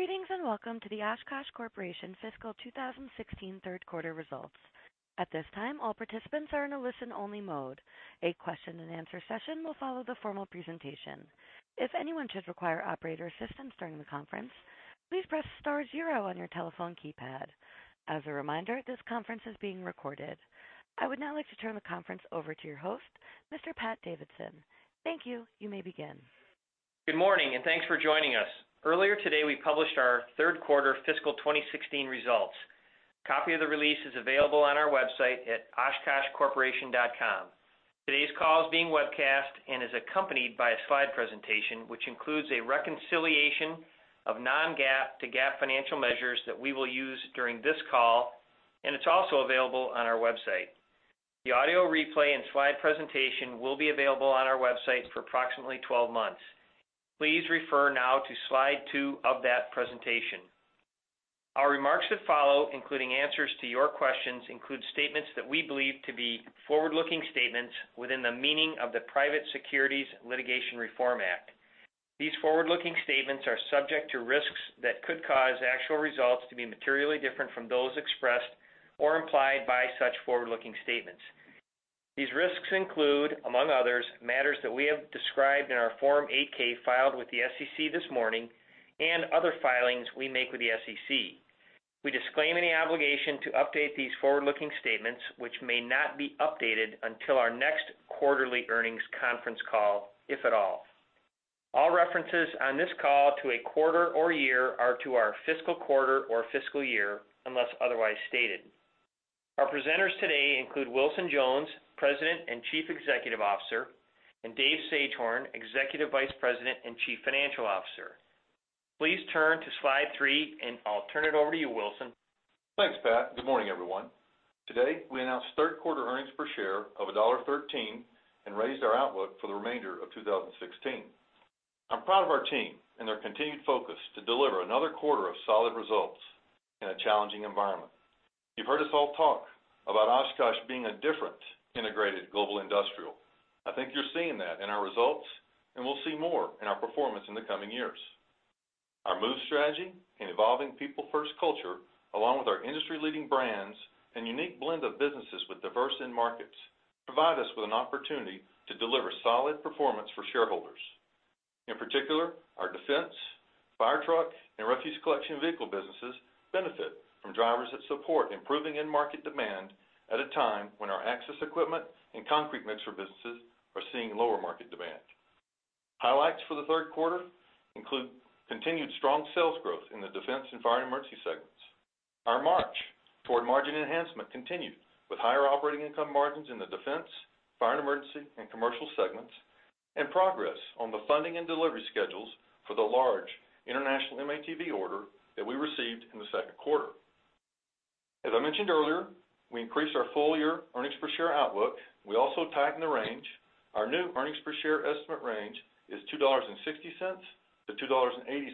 ...Greetings, and welcome to the Oshkosh Corporation Fiscal 2016 Third Quarter Results. At this time, all participants are in a listen-only mode. A question-and-answer session will follow the formal presentation. If anyone should require operator assistance during the conference, please press star zero on your telephone keypad. As a reminder, this conference is being recorded. I would now like to turn the conference over to your host, Mr. Pat Davidson. Thank you. You may begin. Good morning, and thanks for joining us. Earlier today, we published our third quarter fiscal 2016 results. A copy of the release is available on our website at oshkoshcorporation.com. Today's call is being webcast and is accompanied by a slide presentation, which includes a reconciliation of non-GAAP to GAAP financial measures that we will use during this call, and it's also available on our website. The audio replay and slide presentation will be available on our website for approximately 12 months. Please refer now to slide two of that presentation. Our remarks that follow, including answers to your questions, include statements that we believe to be forward-looking statements within the meaning of the Private Securities Litigation Reform Act. These forward-looking statements are subject to risks that could cause actual results to be materially different from those expressed or implied by such forward-looking statements. These risks include, among others, matters that we have described in our Form 8-K filed with the SEC this morning and other filings we make with the SEC. We disclaim any obligation to update these forward-looking statements, which may not be updated until our next quarterly earnings conference call, if at all. All references on this call to a quarter or year are to our fiscal quarter or fiscal year, unless otherwise stated. Our presenters today include Wilson Jones, President and Chief Executive Officer, and Dave Sagehorn, Executive Vice President and Chief Financial Officer. Please turn to slide three, and I'll turn it over to you, Wilson. Thanks, Pat. Good morning, everyone. Today, we announced third quarter earnings per share of $1.13 and raised our outlook for the remainder of 2016. I'm proud of our team and their continued focus to deliver another quarter of solid results in a challenging environment. You've heard us all talk about Oshkosh being a different integrated global industrial. I think you're seeing that in our results, and we'll see more in our performance in the coming years. Our MOVE Strategy and evolving People First culture, along with our industry-leading brands and unique blend of businesses with diverse end markets, provide us with an opportunity to deliver solid performance for shareholders. In particular, our Defense, fire truck, and refuse collection vehicle businesses benefit from drivers that support improving end market demand at a time when our access equipment and concrete mixer businesses are seeing lower market demand. Highlights for the third quarter include continued strong sales growth in the Defense and Fire & Emergency segments. Our march toward margin enhancement continued, with higher operating income margins in the Defense, Fire & Emergency, and Commercial segments, and progress on the funding and delivery schedules for the large international M-ATV order that we received in the second quarter. As I mentioned earlier, we increased our full-year earnings per share outlook. We also tightened the range. Our new earnings per share estimate range is $2.60 to $2.80.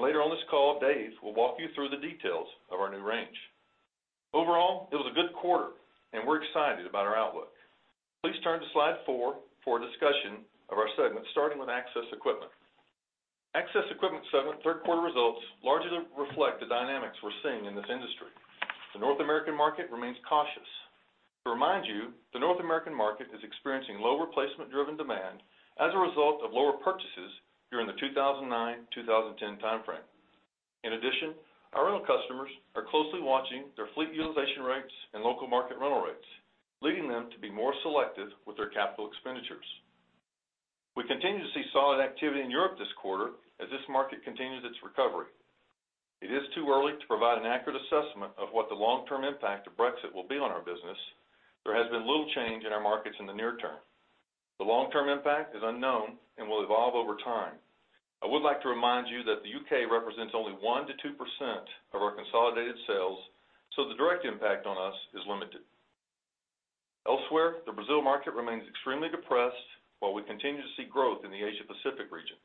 Later on this call, Dave will walk you through the details of our new range. Overall, it was a good quarter, and we're excited about our outlook. Please turn to slide four for a discussion of our segments, starting with Access Equipment segment third quarter results largely reflect the dynamics we're seeing in this industry. The North American market remains cautious. To remind you, the North American market is experiencing low replacement-driven demand as a result of lower purchases during the 2009 to 2010 time frame. In addition, our rental customers are closely watching their fleet utilization rates and local market rental rates, leading them to be more selective with their capital expenditures. We continued to see solid activity in Europe this quarter as this market continues its recovery. It is too early to provide an accurate assessment of what the long-term impact of Brexit will be on our business. There has been little change in our markets in the near term. The long-term impact is unknown and will evolve over time. I would like to remind you that the U.K. represents only 1% to 2% of our consolidated sales, so the direct impact on us is limited. Elsewhere, the Brazil market remains extremely depressed, while we continue to see growth in the Asia Pacific region,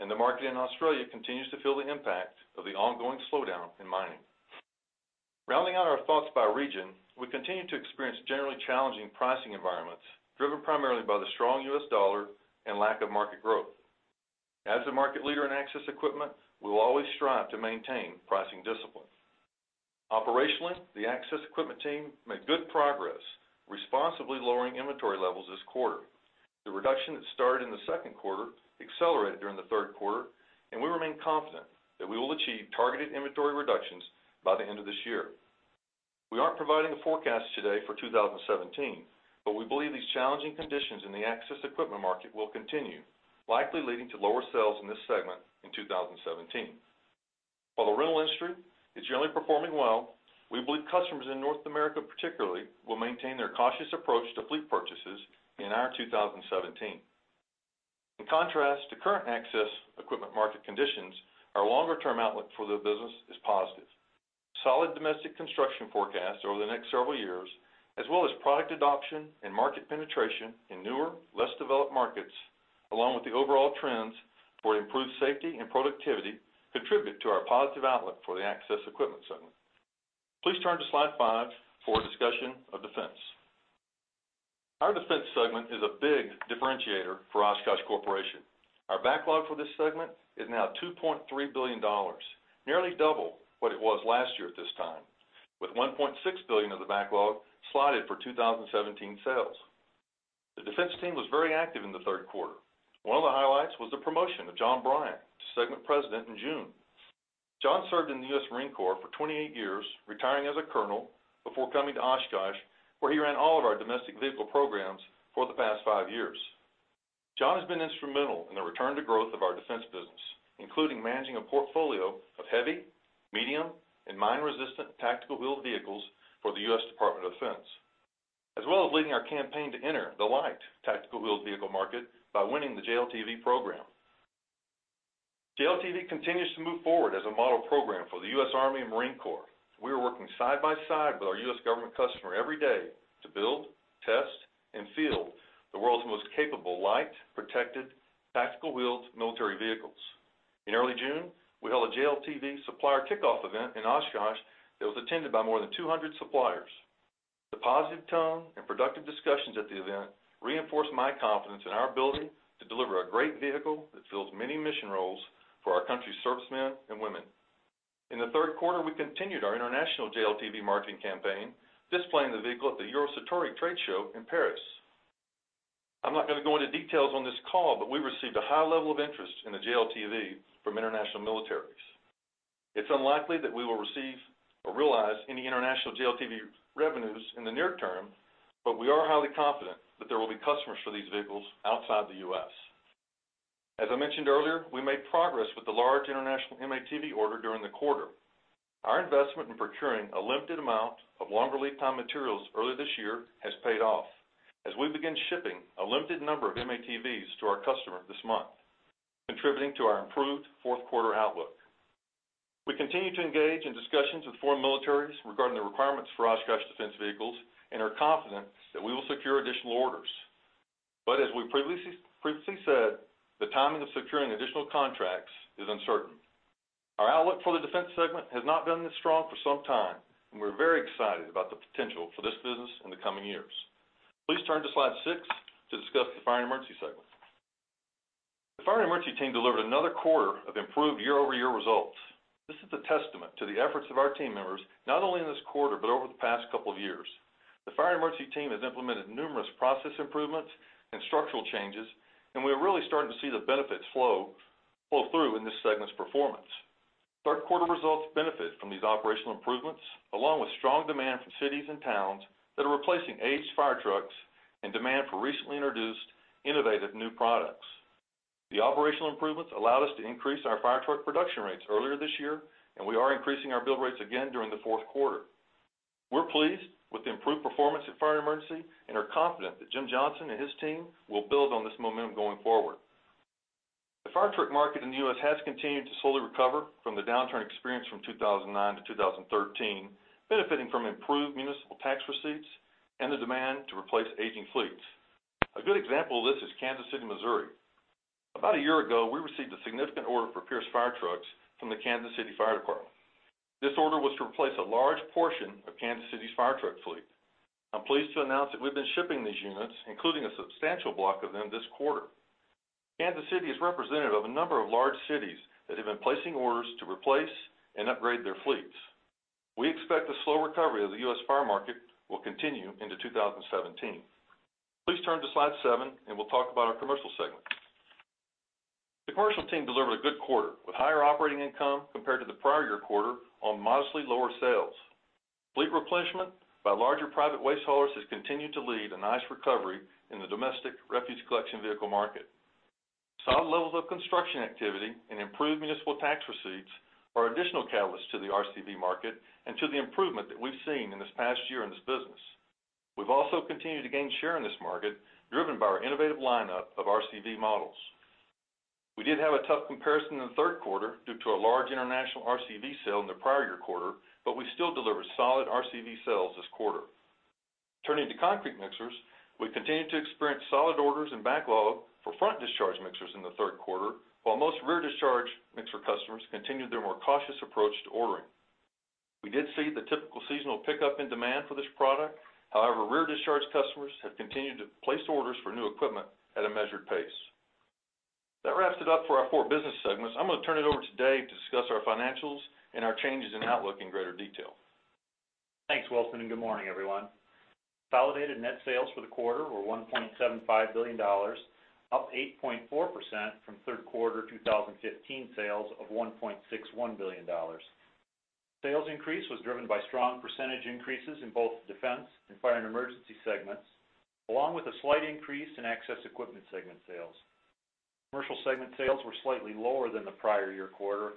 and the market in Australia continues to feel the impact of the ongoing slowdown in mining. Rounding out our thoughts by region, we continue to experience generally challenging pricing environments, driven primarily by the strong U.S. dollar and lack of market growth. As the market leader in access equipment, we will always strive to maintain pricing discipline. Operationally, the Access Equipment team made good progress, responsibly lowering inventory levels this quarter. The reduction that started in the second quarter accelerated during the third quarter, and we remain confident that we will achieve targeted inventory reductions by the end of this year. We aren't providing a forecast today for 2017, but we believe these challenging conditions in the access equipment market will continue, likely leading to lower sales in this segment in 2017. While the rental industry is generally performing well, we believe customers in North America, particularly, will maintain their cautious approach to fleet purchases in 2017. In contrast to current access equipment market conditions, our longer-term outlook for the business is positive. Solid domestic construction forecast over the next several years, as well as product adoption and market penetration in newer, less developed markets, along with the overall trends for improved safety and productivity, contribute to our positive outlook Access Equipment segment. please turn to slide 5 for a discussion of Defense. Our Defense segment is a big differentiator for Oshkosh Corporation. Our backlog for this segment is now $2.3 billion, nearly double what it was last year at this time, with $1.6 billion of the backlog slotted for 2017 sales. The Defense team was very active in the third quarter. One of the highlights was the promotion of John Bryant to Segment President in June. John served in the U.S. Marine Corps for 28 years, retiring as a colonel before coming to Oshkosh, where he ran all of our domestic vehicle programs for the past 5 years. John has been instrumental in the return to growth of our Defense business, including managing a portfolio of heavy, medium, and mine-resistant tactical wheeled vehicles for the U.S. Department of Defense, as well as leading our campaign to enter the light tactical wheeled vehicle market by winning the JLTV program. JLTV continues to move forward as a model program for the U.S. Army and Marine Corps. We are working side by side with our U.S. government customer every day to build, test, and field the world's most capable, light, protected, tactical wheeled military vehicles. In early June, we held a JLTV supplier kickoff event in Oshkosh that was attended by more than 200 suppliers. The positive tone and productive discussions at the event reinforced my confidence in our ability to deliver a great vehicle that fills many mission roles for our country's servicemen and women. In the third quarter, we continued our international JLTV marketing campaign, displaying the vehicle at the Eurosatory trade show in Paris. I'm not going to go into details on this call, but we received a high level of interest in the JLTV from international militaries. It's unlikely that we will receive or realize any international JLTV revenues in the near term, but we are highly confident that there will be customers for these vehicles outside the U.S. As I mentioned earlier, we made progress with the large international M-ATV order during the quarter. Our investment in procuring a limited amount of longer lead time materials early this year has paid off as we begin shipping a limited number of M-ATVs to our customer this month, contributing to our improved fourth quarter outlook. We continue to engage in discussions with foreign militaries regarding the requirements for Oshkosh Defense vehicles and are confident that we will secure additional orders. But as we previously said, the timing of securing additional contracts is uncertain. Our outlook for the Defense segment has not been this strong for some time, and we're very excited about the potential for this business in the coming years. Please turn to slide 6 to discuss the Fire & Emergency segment. The Fire & Emergency team delivered another quarter of improved year-over-year results. This is a testament to the efforts of our team members, not only in this quarter, but over the past couple of years. The Fire & Emergency team has implemented numerous process improvements and structural changes, and we are really starting to see the benefits flow through in this segment's performance. Third quarter results benefit from these operational improvements, along with strong demand from cities and towns that are replacing aged fire trucks and demand for recently introduced innovative new products. The operational improvements allowed us to increase our fire truck production rates earlier this year, and we are increasing our build rates again during the fourth quarter. We're pleased with the improved performance at Fire & Emergency and are confident that Jim Johnson and his team will build on this momentum going forward. The fire truck market in the U.S. has continued to slowly recover from the downturn experienced from 2009 to 2013, benefiting from improved municipal tax receipts and the demand to replace aging fleets. A good example of this is Kansas City, Missouri. About a year ago, we received a significant order for Pierce fire trucks from the Kansas City Fire Department. This order was to replace a large portion of Kansas City's fire truck fleet. I'm pleased to announce that we've been shipping these units, including a substantial block of them, this quarter. Kansas City is representative of a number of large cities that have been placing orders to replace and upgrade their fleets. We expect the slow recovery of the U.S. fire market will continue into 2017. Please turn to slide seven, and we'll talk about our Commercial segment. The Commercial team delivered a good quarter, with higher operating income compared to the prior year quarter on modestly lower sales. Fleet replacement by larger private waste haulers has continued to lead a nice recovery in the domestic refuse collection vehicle market. Solid levels of construction activity and improved municipal tax receipts are additional catalysts to the RCV market and to the improvement that we've seen in this past year in this business. We've also continued to gain share in this market, driven by our innovative lineup of RCV models. We did have a tough comparison in the third quarter due to a large international RCV sale in the prior year quarter, but we still delivered solid RCV sales this quarter. Turning to concrete mixers, we continued to experience solid orders and backlog for front discharge mixers in the third quarter, while most rear discharge mixer customers continued their more cautious approach to ordering. We did see the typical seasonal pickup in demand for this product. However, rear discharge customers have continued to place orders for new equipment at a measured pace. That wraps it up for our four business segments. I'm going to turn it over to Dave to discuss our financials and our changes in outlook in greater detail. Thanks, Wilson, and good morning, everyone. Consolidated net sales for the quarter were $1.75 billion, up 8.4% from third quarter 2015 sales of $1.61 billion. Sales increase was driven by strong percentage increases in both Defense and Fire & Emergency segments, along with a slight Access Equipment segment sales increase. Commercial segment sales were slightly lower than the prior year quarter,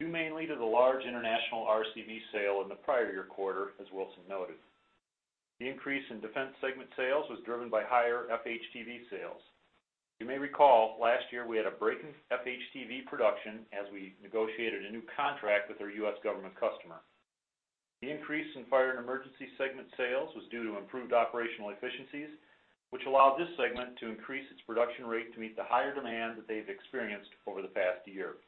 due mainly to the large international RCV sale in the prior year quarter, as Wilson noted. The increase in Defense segment sales was driven by higher FHTV sales. You may recall, last year, we had a break in FHTV production as we negotiated a new contract with our U.S. government customer. The increase in Fire & Emergency segment sales was due to improved operational efficiencies, which allowed this segment to increase its production rate to meet the higher demand that they've experienced over the past year.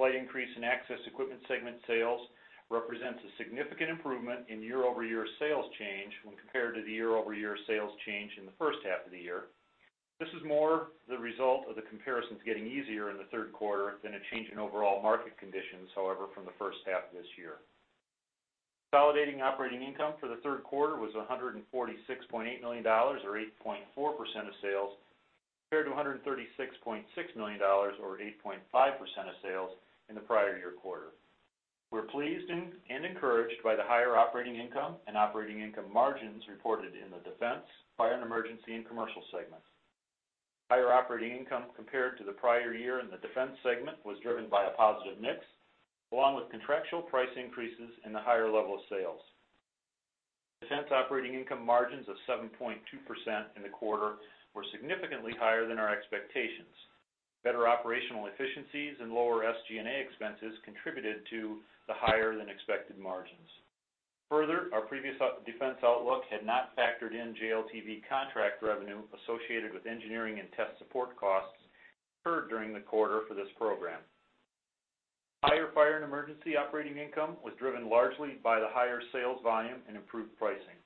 Slight Access Equipment segment sales represents a significant improvement in year-over-year sales change when compared to the year-over-year sales change in the first half of the year. This is more the result of the comparisons getting easier in the third quarter than a change in overall market conditions, however, from the first half of this year. Consolidated operating income for the third quarter was $146.8 million, or 8.4% of sales, compared to $136.6 million, or 8.5% of sales, in the prior year quarter. We're pleased and encouraged by the higher operating income and operating income margins reported in the Defense, Fire & Emergency, and Commercial segments. Higher operating income compared to the prior year in the Defense segment was driven by a positive mix, along with contractual price increases and the higher level of sales. Defense operating income margins of 7.2% in the quarter were significantly higher than our expectations. Better operational efficiencies and lower SG&A expenses contributed to the higher-than-expected margins. Further, our previous Defense outlook had not factored in JLTV contract revenue associated with engineering and test support costs incurred during the quarter for this program. Higher Fire & Emergency operating income was driven largely by the higher sales volume and improved pricing,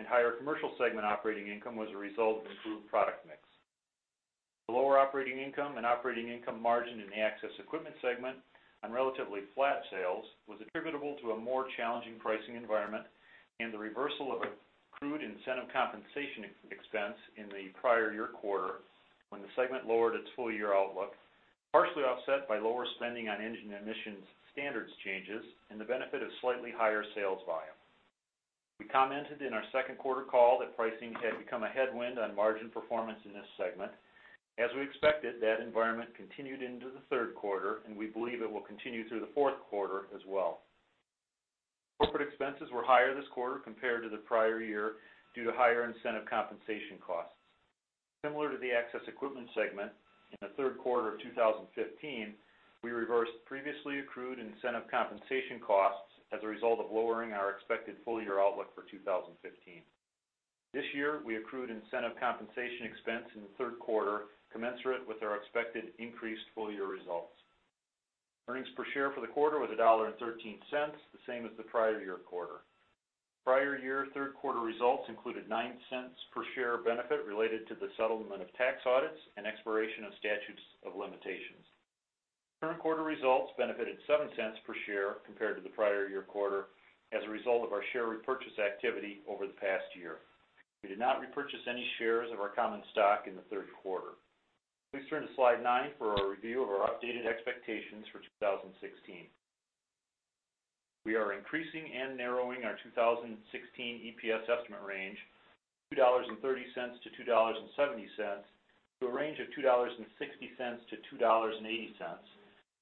and higher Commercial segment operating income was a result of improved product mix. The lower operating income and operating income margin Access Equipment segment on relatively flat sales was attributable to a more challenging pricing environment and the reversal of accrued incentive compensation expense in the prior year quarter, when the segment lowered its full-year outlook, partially offset by lower spending on engine emissions standards changes and the benefit of slightly higher sales volume. We commented in our second quarter call that pricing had become a headwind on margin performance in this segment. As we expected, that environment continued into the third quarter, and we believe it will continue through the fourth quarter as well. Corporate expenses were higher this quarter compared to the prior year due to higher incentive compensation costs. Similar to the Access Equipment segment, in the third quarter of 2015, we reversed previously accrued incentive compensation costs as a result of lowering our expected full-year outlook for 2015. This year, we accrued incentive compensation expense in the third quarter, commensurate with our expected increased full-year results. Earnings per share for the quarter was $1.13, the same as the prior year quarter. Prior year third quarter results included 9 cents per share benefit related to the settlement of tax audits and expiration of statutes of limitations. Current quarter results benefited 7 cents per share compared to the prior year quarter as a result of our share repurchase activity over the past year. We did not repurchase any shares of our common stock in the third quarter. Please turn to slide nine for a review of our updated expectations for 2016. We are increasing and narrowing our 2016 EPS estimate range, $2.30 to $2.70, to a range of $2.60 to $2.80,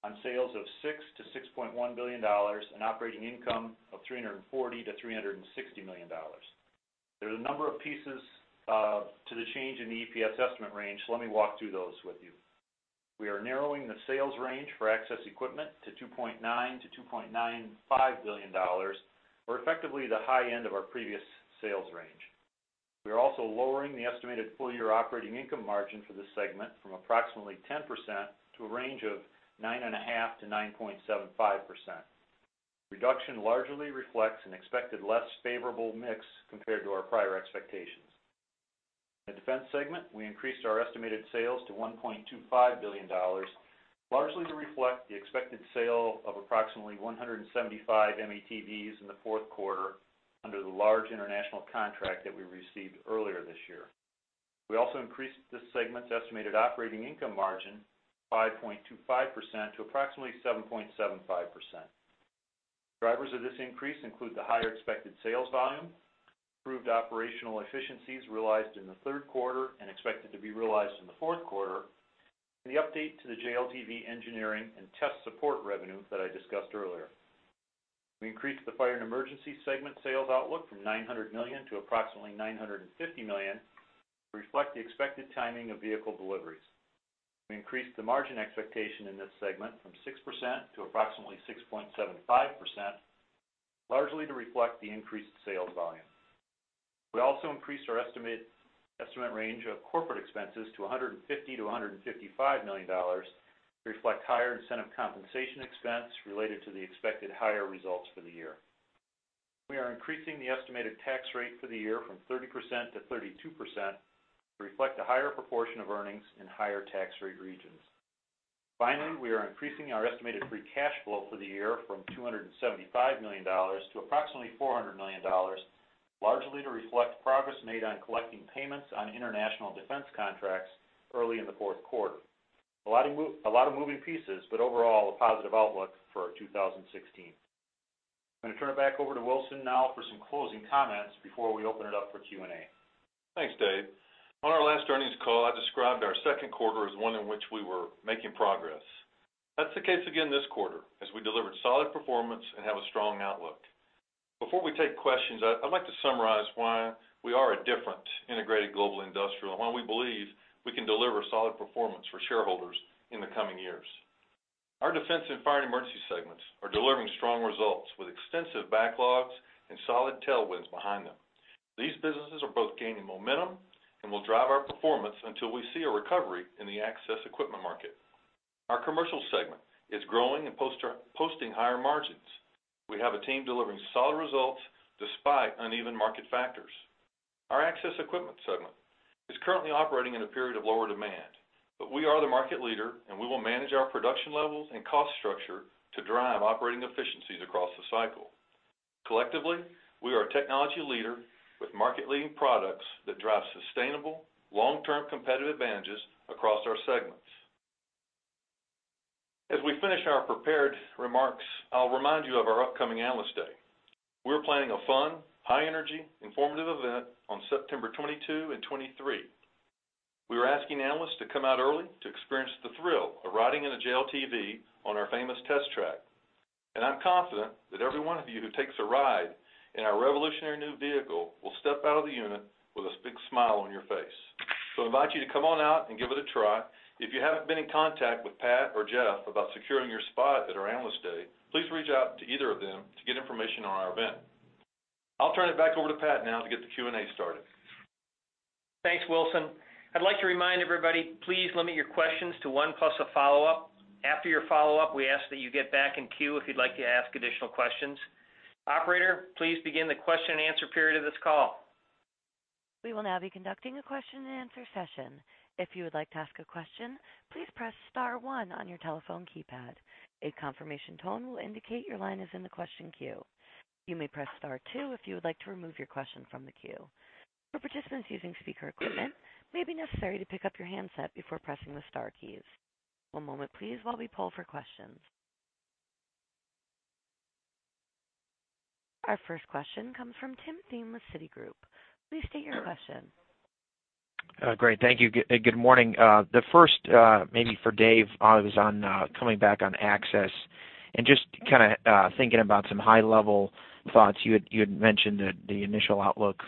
on sales of $6 billion to $6.1 billion and operating income of $340 million to $360 million. There are a number of pieces to the change in the EPS estimate range, so let me walk through those with you. We are narrowing the sales range for Access Equipment to $2.9 billion to $2.95 billion, or effectively, the high end of our previous sales range. We are also lowering the estimated full-year operating income margin for this segment from approximately 10% to a range of 9.5% to 9.75%. Reduction largely reflects an expected less favorable mix compared to our prior expectations. In the Defense segment, we increased our estimated sales to $1.25 billion, largely to reflect the expected sale of approximately 175 M-ATVs in the fourth quarter, under the large international contract that we received earlier this year. We also increased this segment's estimated operating income margin, 5.25% to approximately 7.75%. Drivers of this increase include the higher expected sales volume, improved operational efficiencies realized in the third quarter and expected to be realized in the fourth quarter, and the update to the JLTV engineering and test support revenue that I discussed earlier. We increased the Fire & Emergency segment sales outlook from $900 million to approximately $950 million, to reflect the expected timing of vehicle deliveries. We increased the margin expectation in this segment from 6% to approximately 6.75%, largely to reflect the increased sales volume. We also increased our estimate range of corporate expenses to $150 million to $155 million, to reflect higher incentive compensation expense related to the expected higher results for the year. We are increasing the estimated tax rate for the year from 30% to 32%, to reflect a higher proportion of earnings in higher tax rate regions. Finally, we are increasing our estimated free cash flow for the year from $275 million to approximately $400 million, largely to reflect progress made on collecting payments on international Defense contracts early in the fourth quarter. A lot of moving pieces, but overall, a positive outlook for 2016. I'm going to turn it back over to Wilson now for some closing comments before we open it up for Q&A. Thanks, Dave. On our last earnings call, I described our second quarter as one in which we were making progress. That's the case again this quarter, as we delivered solid performance and have a strong outlook. Before we take questions, I'd like to summarize why we are a different integrated global industrial, and why we believe we can deliver solid performance for shareholders in the coming years. Our Defense and Fire & Emergency... are delivering strong results with extensive backlogs and solid tailwinds behind them. These businesses are both gaining momentum and will drive our performance until we see a recovery in the access equipment market. Our Commercial segment is growing and posting higher margins. We have a team delivering solid results despite uneven market. Access Equipment segment is currently operating in a period of lower demand, but we are the market leader, and we will manage our production levels and cost structure to drive operating efficiencies across the cycle. Collectively, we are a technology leader with market-leading products that drive sustainable, long-term competitive advantages across our segments. As we finish our prepared remarks, I'll remind you of our upcoming Analyst Day. We're planning a fun, high energy, informative event on September 22 and 23. We were asking analysts to come out early to experience the thrill of riding in a JLTV on our famous test track. I'm confident that every one of you who takes a ride in our revolutionary new vehicle will step out of the unit with a big smile on your face. I invite you to come on out and give it a try. If you haven't been in contact with Pat or Jeff about securing your spot at our Analyst Day, please reach out to either of them to get information on our event. I'll turn it back over to Pat now to get the Q&A started. Thanks, Wilson. I'd like to remind everybody, please limit your questions to one plus a follow-up. After your follow-up, we ask that you get back in queue if you'd like to ask additional questions. Operator, please begin the question and answer period of this call. We will now be conducting a question-and-answer session. If you would like to ask a question, please press star one on your telephone keypad. A confirmation tone will indicate your line is in the question queue. You may press star two if you would like to remove your question from the queue. For participants using speaker equipment, it may be necessary to pick up your handset before pressing the star keys. One moment please, while we pull for questions. Our first question comes from Tim Thein with Citigroup. Please state your question. Great. Thank you, and good morning. The first, maybe for Dave, I was on, coming back on access and just kind of thinking about some high-level thoughts. You had, you had mentioned that the initial outlook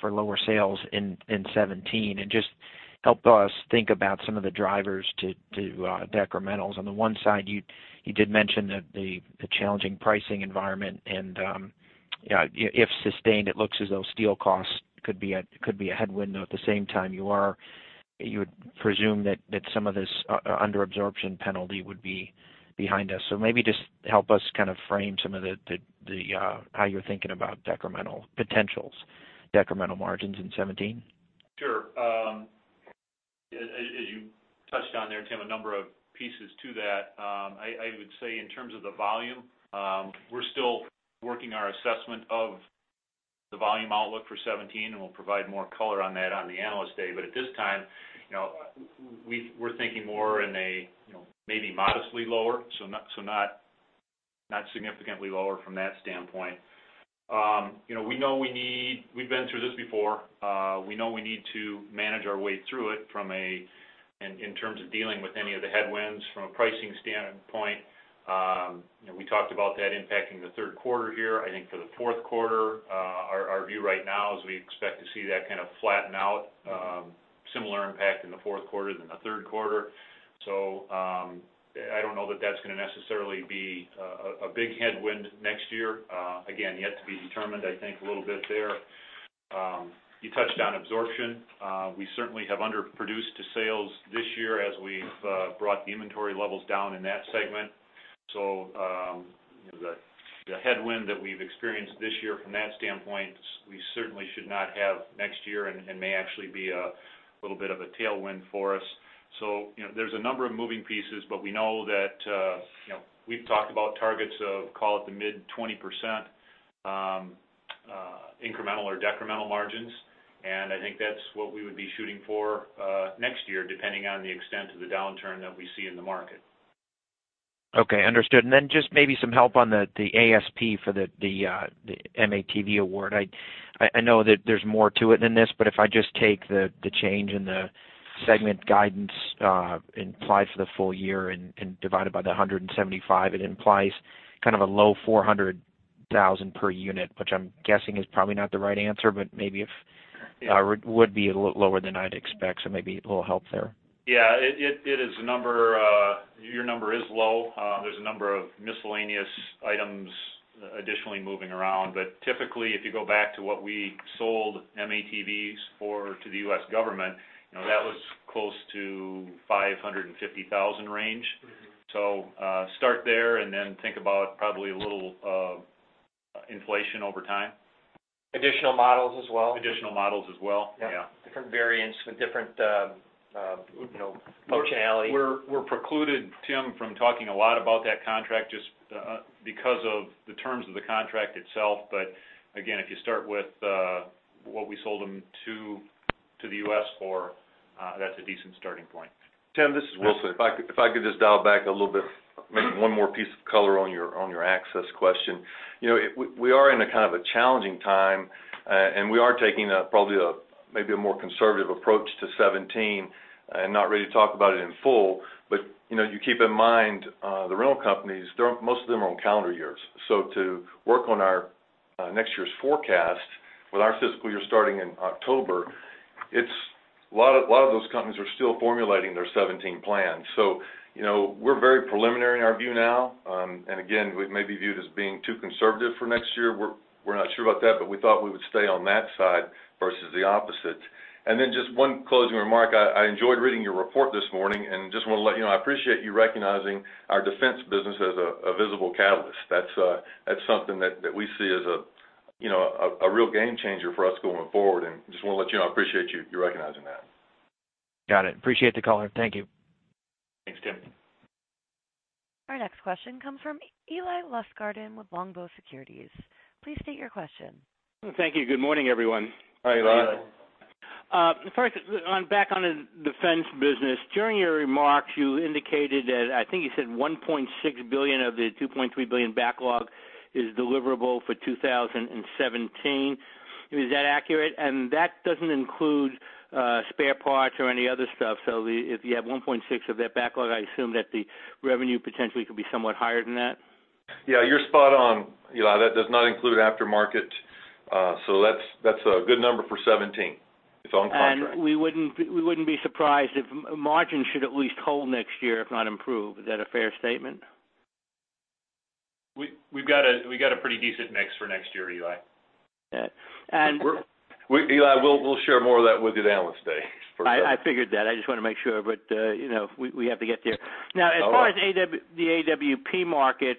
for lower sales in '17, and just help us think about some of the drivers to, to decrementals. On the one side, you, you did mention that the, the challenging pricing environment, and, yeah, if sustained, it looks as though steel costs could be a, could be a headwind, though at the same time, you are-- you would presume that, that some of this under absorption penalty would be behind us. So maybe just help us kind of frame some of the, the, the how you're thinking about decremental potentials, decremental margins in '17. Sure. As you touched on there, Tim, a number of pieces to that. I would say in terms of the volume, we're still working our assessment of the volume outlook for 2017, and we'll provide more color on that on the Analyst Day. But at this time, you know, we're thinking more in a, you know, maybe modestly lower, so not significantly lower from that standpoint. You know, we know we need... We've been through this before. We know we need to manage our way through it from a, in terms of dealing with any of the headwinds from a pricing standpoint. And we talked about that impacting the third quarter here. I think for the fourth quarter, our view right now is we expect to see that kind of flatten out, similar impact in the fourth quarter than the third quarter. So, I don't know that that's going to necessarily be a big headwind next year. Again, yet to be determined, I think a little bit there. You touched on absorption. We certainly have underproduced to sales this year as we've brought the inventory levels down in that segment. So, the headwind that we've experienced this year from that standpoint, we certainly should not have next year and may actually be a little bit of a tailwind for us. So, you know, there's a number of moving pieces, but we know that, you know, we've talked about targets of, call it, the mid-20%, incremental or decremental margins, and I think that's what we would be shooting for, next year, depending on the extent of the downturn that we see in the market. Okay, understood. And then just maybe some help on the ASP for the M-ATV award. I know that there's more to it than this, but if I just take the change in the segment guidance implied for the full year and divide it by the 175, it implies kind of a low $400,000 per unit, which I'm guessing is probably not the right answer, but maybe if- Yeah. Would be a little lower than I'd expect, so maybe a little help there. Yeah, it is a number, your number is low. There's a number of miscellaneous items additionally moving around, but typically, if you go back to what we sold M-ATVs for to the U.S. government, you know, that was close to $550,000 range. Mm-hmm. So, start there and then think about probably a little inflation over time. Additional models as well. Additional models as well. Yeah. Yeah. Different variants with different, you know, functionality. We're precluded, Tim, from talking a lot about that contract just because of the terms of the contract itself. But again, if you start with what we sold them to the U.S. for, that's a decent starting point. Tim, this is Wilson. If I could, if I could just dial back a little bit, maybe one more piece of color on your, on your access question. You know, we are in a kind of a challenging time, and we are taking, probably a, maybe a more conservative approach to 2017, and not ready to talk about it in full. But, you know, you keep in mind, the rental companies, most of them are on calendar years. So to work on our, next year's forecast with our fiscal year starting in October, it's. A lot of those companies are still formulating their 2017 plan. So, you know, we're very preliminary in our view now. And again, we may be viewed as being too conservative for next year. We're not sure about that, but we thought we would stay on that side versus the opposite. And then just one closing remark. I enjoyed reading your report this morning, and just want to let you know, I appreciate you recognizing our Defense business as a visible catalyst. That's something that we see as a, you know, a real game changer for us going forward, and just want to let you know, I appreciate you recognizing that. Got it. Appreciate the call here. Thank you. Thanks, Tim. Our next question comes from Eli Lustgarten with Longbow Securities. Please state your question. Thank you. Good morning, everyone. Hi, Eli. Hi. First, back on the Defense business, during your remarks, you indicated that I think you said $1.6 billion of the $2.3 billion backlog is deliverable for 2017. Is that accurate? And that doesn't include, spare parts or any other stuff. So, if you have $1.6 of that backlog, I assume that the revenue potentially could be somewhat higher than that. Yeah, you're spot on, Eli. That does not include aftermarket. So that's a good number for 2017. It's on contract. We wouldn't be surprised if margins should at least hold next year, if not improve. Is that a fair statement? We've got a pretty decent mix for next year, Eli. Yeah. And- Eli, we'll share more of that with you at Analyst Day for sure. I figured that. I just want to make sure, but you know, we have to get there. All right. Now, as far as the AWP market,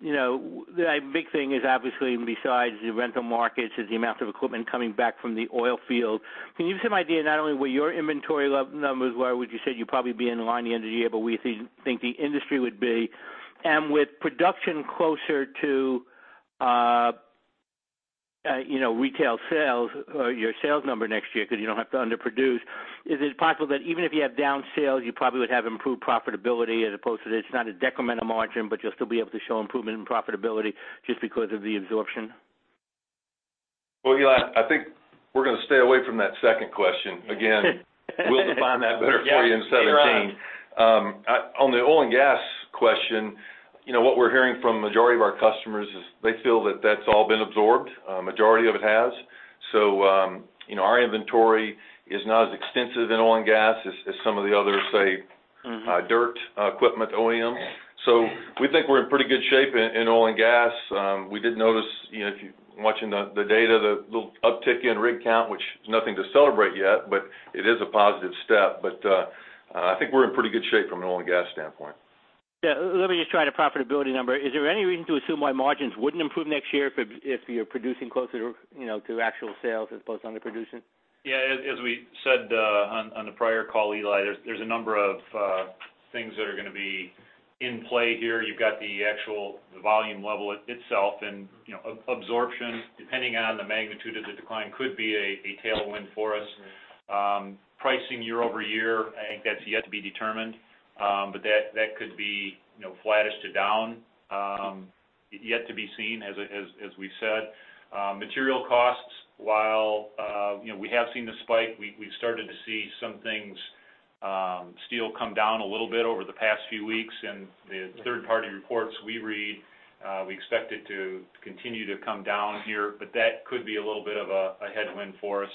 you know, the big thing is obviously, besides the rental markets, is the amount of equipment coming back from the oil field. Can you give some idea, not only where your inventory level numbers were, which you said you'd probably be in line the end of the year, but we think the industry would be? And with production closer to, you know, retail sales or your sales number next year, because you don't have to underproduce, is it possible that even if you have down sales, you probably would have improved profitability as opposed to, it's not a decremental margin, but you'll still be able to show improvement in profitability just because of the absorption? Well, Eli, I think we're going to stay away from that second question. Again, we'll define that better for you in 2017. Yeah, later on. On the oil and gas question, you know, what we're hearing from the majority of our customers is they feel that that's all been absorbed. Majority of it has. So, you know, our inventory is not as extensive in oil and gas as some of the other, Mm-hmm... dirt equipment OEMs. So we think we're in pretty good shape in oil and gas. We did notice, you know, if you're watching the data, the little uptick in rig count, which is nothing to celebrate yet, but it is a positive step. But I think we're in pretty good shape from an oil and gas standpoint. Yeah, let me just try the profitability number. Is there any reason to assume why margins wouldn't improve next year if you're producing closer, you know, to actual sales as opposed to underproducing? Yeah, as we said on the prior call, Eli, there's a number of things that are going to be in play here. You've got the actual volume level itself, and you know, absorption, depending on the magnitude of the decline, could be a tailwind for us. Pricing year over year, I think that's yet to be determined, but that could be, you know, flattish to down. Yet to be seen, as we said. Material costs, while you know, we have seen the spike, we've started to see some things, steel come down a little bit over the past few weeks, and the third-party reports we read, we expect it to continue to come down here, but that could be a little bit of a headwind for us.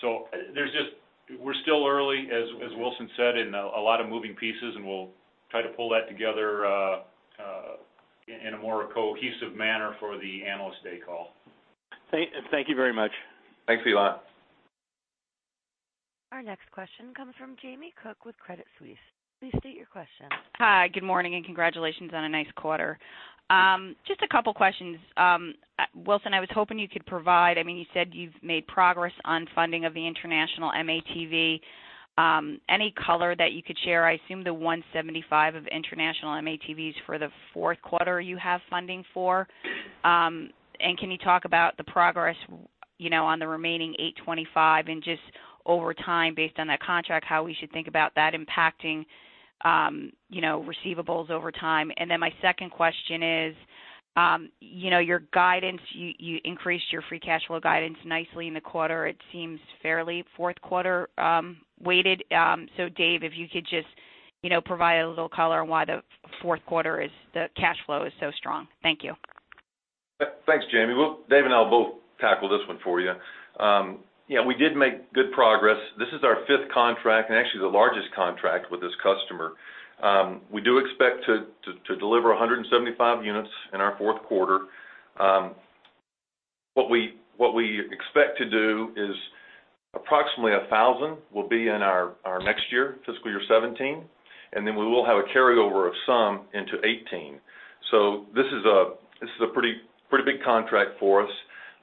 So there's just... We're still early, as Wilson said, and a lot of moving pieces, and we'll try to pull that together in a more cohesive manner for the Analyst Day call. Thank you very much. Thanks, Eli. Our next question comes from Jamie Cook with Credit Suisse. Please state your question. Hi, good morning, and congratulations on a nice quarter. Just a couple questions. Wilson, I was hoping you could provide, I mean, you said you've made progress on funding of the international M-ATV. Any color that you could share? I assume the $175 million of international M-ATVs for the fourth quarter you have funding for. And can you talk about the progress, you know, on the remaining $825 million and just over time, based on that contract, how we should think about that impacting, you know, receivables over time? And then my second question is, you know, your guidance, you increased your free cash flow guidance nicely in the quarter. It seems fairly fourth quarter weighted. So Dave, if you could just, you know, provide a little color on why the fourth quarter is, the cash flow is so strong. Thank you. Thanks, Jamie. Well, Dave and I will both tackle this one for you. Yeah, we did make good progress. This is our fifth contract and actually the largest contract with this customer. We do expect to deliver 175 units in our fourth quarter. What we expect to do is approximately 1,000 will be in our next year, fiscal year 2017, and then we will have a carryover of some into 2018. So this is a pretty big contract for us.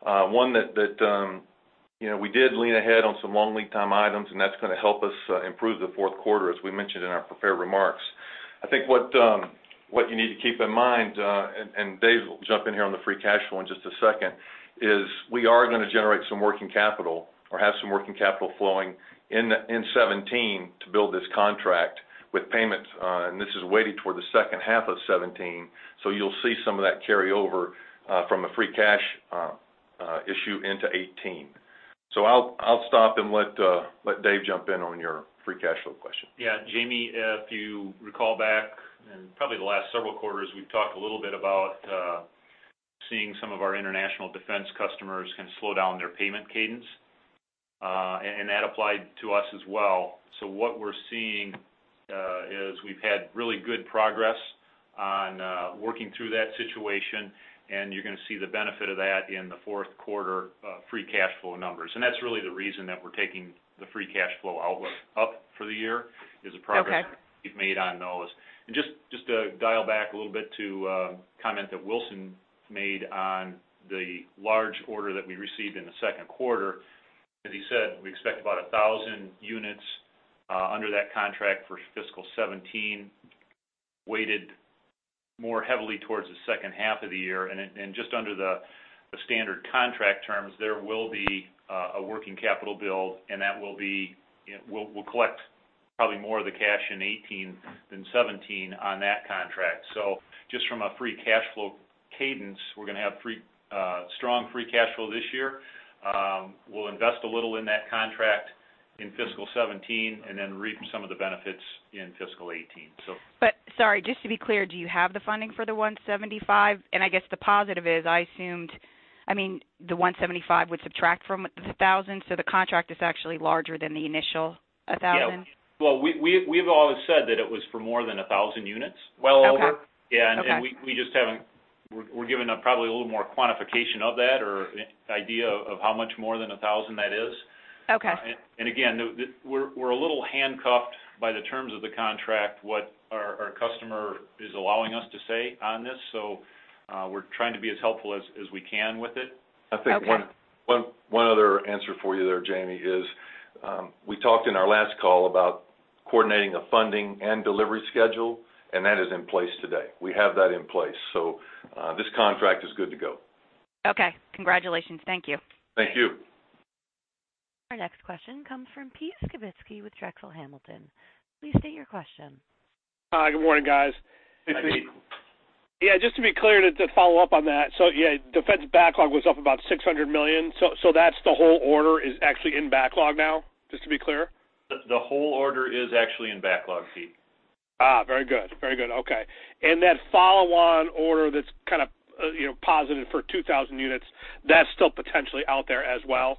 One that you know, we did lean ahead on some long lead time items, and that's going to help us improve the fourth quarter, as we mentioned in our prepared remarks. I think what, what you need to keep in mind, and, and Dave will jump in here on the free cash flow in just a second, is we are going to generate some working capital or have some working capital flowing in, in 2017 to build this contract with payments. And this is weighted toward the second half of 2017, so you'll see some of that carry over, from a free cash, issue into 2018. So I'll, I'll stop and let, let Dave jump in on your free cash flow question. Yeah, Jamie, if you recall back, and probably the last several quarters, we've talked a little bit about seeing some of our international Defense customers kind of slow down their payment cadence, and that applied to us as well. So what we're seeing is we've had really good progress on working through that situation, and you're gonna see the benefit of that in the fourth quarter free cash flow numbers. And that's really the reason that we're taking the free cash flow outlook up for the year, is the progress- Okay We've made on those. And just to dial back a little bit to a comment that Wilson made on the large order that we received in the second quarter. As he said, we expect about 1,000 units under that contract for fiscal 2017, weighted more heavily towards the second half of the year. And then, just under the standard contract terms, there will be a working capital build, and that will be, we'll collect probably more of the cash in 2018 than 2017 on that contract. So just from a free cash flow cadence, we're gonna have strong free cash flow this year. We'll invest a little in that contract in fiscal 2017 and then reap some of the benefits in fiscal 2018, so. But sorry, just to be clear, do you have the funding for the $175? And I guess the positive is I assumed, I mean, the $175 would subtract from the $1,000, so the contract is actually larger than the initial $1,000? Yeah. Well, we've always said that it was for more than 1,000 units. Well over. Okay. Yeah. Okay. We just haven't. We're giving up probably a little more quantification of that or idea of how much more than 1,000 that is. Okay. And again, we're a little handcuffed by the terms of the contract, what our customer is allowing us to say on this. So, we're trying to be as helpful as we can with it. Okay. I think one other answer for you there, Jamie, is, we talked in our last call about coordinating a funding and delivery schedule, and that is in place today. We have that in place. So, this contract is good to go. Okay. Congratulations. Thank you. Thank you. Our next question comes from Pete Skibitsky with Drexel Hamilton. Please state your question. Hi, good morning, guys. Hi, Pete. Yeah, just to be clear, to follow up on that. So, yeah, Defense backlog was up about $600 million. So that's the whole order is actually in backlog now, just to be clear? The whole order is actually in backlog, Pete. Ah, very good. Very good. Okay. And that follow-on order that's kind of, you know, positive for 2000 units, that's still potentially out there as well?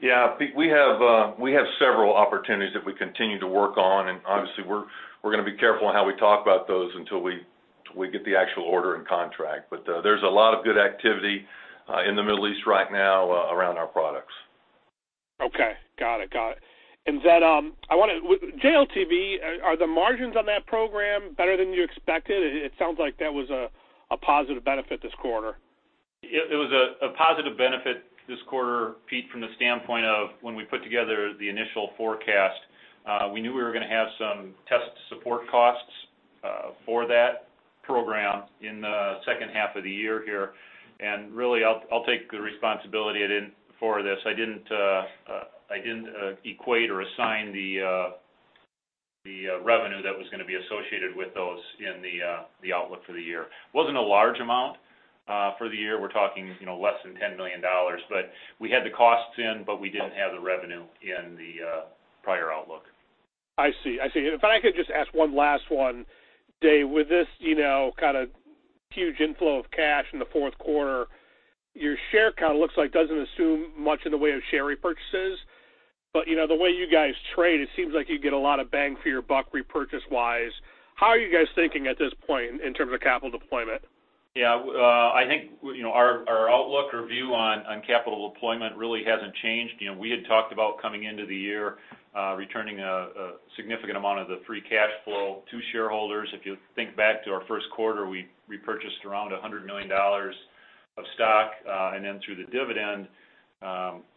Yeah, Pete, we have several opportunities that we continue to work on, and obviously, we're gonna be careful on how we talk about those until we get the actual order and contract. But there's a lot of good activity in the Middle East right now around our products. Okay, got it. Got it. And then, I wanna—with JLTV, are the margins on that program better than you expected? It sounds like that was a positive benefit this quarter. It was a positive benefit this quarter, Pete, from the standpoint of when we put together the initial forecast. We knew we were gonna have some test support costs for that program in the second half of the year here. And really, I'll take the responsibility I didn't for this. I didn't equate or assign the revenue that was gonna be associated with those in the outlook for the year. Wasn't a large amount for the year. We're talking, you know, less than $10 million, but we had the costs in, but we didn't have the revenue in the prior outlook. I see. I see. If I could just ask one last one, Dave. With this, you know, kind of huge inflow of cash in the fourth quarter, your share count looks like doesn't assume much in the way of share repurchases. But, you know, the way you guys trade, it seems like you get a lot of bang for your buck repurchase-wise. How are you guys thinking at this point in terms of capital deployment? Yeah, I think, you know, our outlook or view on capital deployment really hasn't changed. You know, we had talked about coming into the year, returning a significant amount of the free cash flow to shareholders. If you think back to our first quarter, we repurchased around $100 million of stock, and then through the dividend,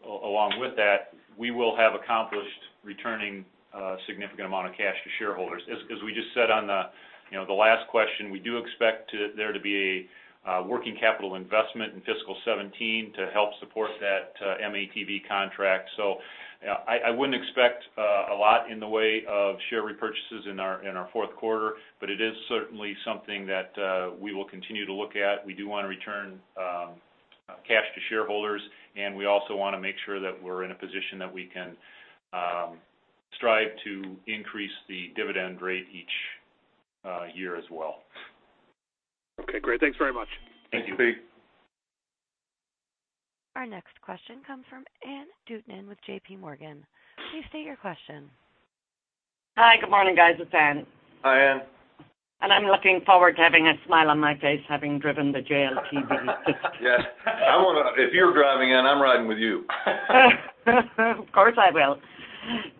along with that, we will have accomplished returning a significant amount of cash to shareholders. As we just said on the, you know, the last question, we do expect there to be a working capital investment in fiscal 2017 to help support that M-ATV contract. So, I wouldn't expect a lot in the way of share repurchases in our fourth quarter, but it is certainly something that we will continue to look at. We do wanna return cash to shareholders, and we also wanna make sure that we're in a position that we can strive to increase the dividend rate each year as well. Okay, great. Thanks very much. Thank you. Thanks, Pete. Our next question comes from Anne Duignan with J.P. Morgan. Please state your question. Hi, good morning, guys. It's Anne. Hi, Anne. I'm looking forward to having a smile on my face, having driven the JLTV. Yes. I wanna. If you're driving, Anne, I'm riding with you. Of course, I will.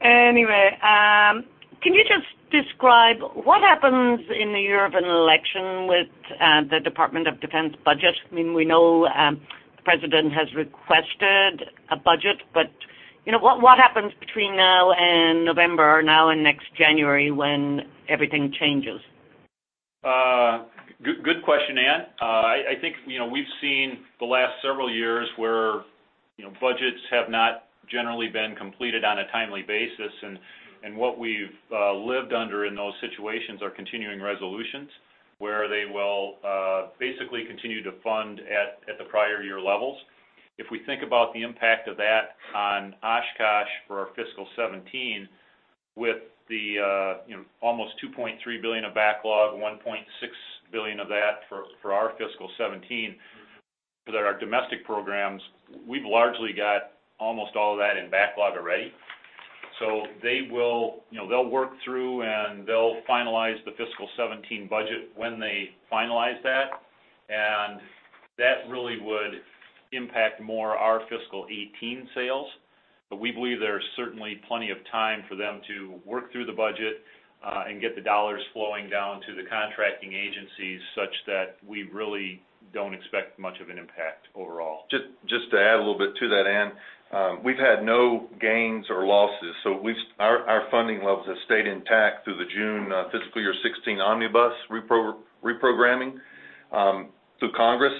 Anyway, can you just describe what happens in the year of an election with the Department of Defense budget? I mean, we know the president has requested a budget, but you know, what happens between now and November or now and next January when everything changes? Good question, Anne. I think, you know, we've seen the last several years where, you know, budgets have not generally been completed on a timely basis. And what we've lived under in those situations are continuing resolutions, where they will basically continue to fund at the prior year levels. If we think about the impact of that on Oshkosh for our fiscal 2017, with the, you know, almost $2.3 billion of backlog, $1.6 billion of that for our fiscal 2017, that are our domestic programs, we've largely got almost all of that in backlog already. So they will, you know, they'll work through, and they'll finalize the fiscal 2017 budget when they finalize that. And that really would impact more our fiscal 2018 sales. But we believe there's certainly plenty of time for them to work through the budget, and get the dollars flowing down to the contracting agencies, such that we really don't expect much of an impact overall. Just to add a little bit to that, Anne. We've had no gains or losses, so our funding levels have stayed intact through the June fiscal year 2016 omnibus reprogramming through Congress.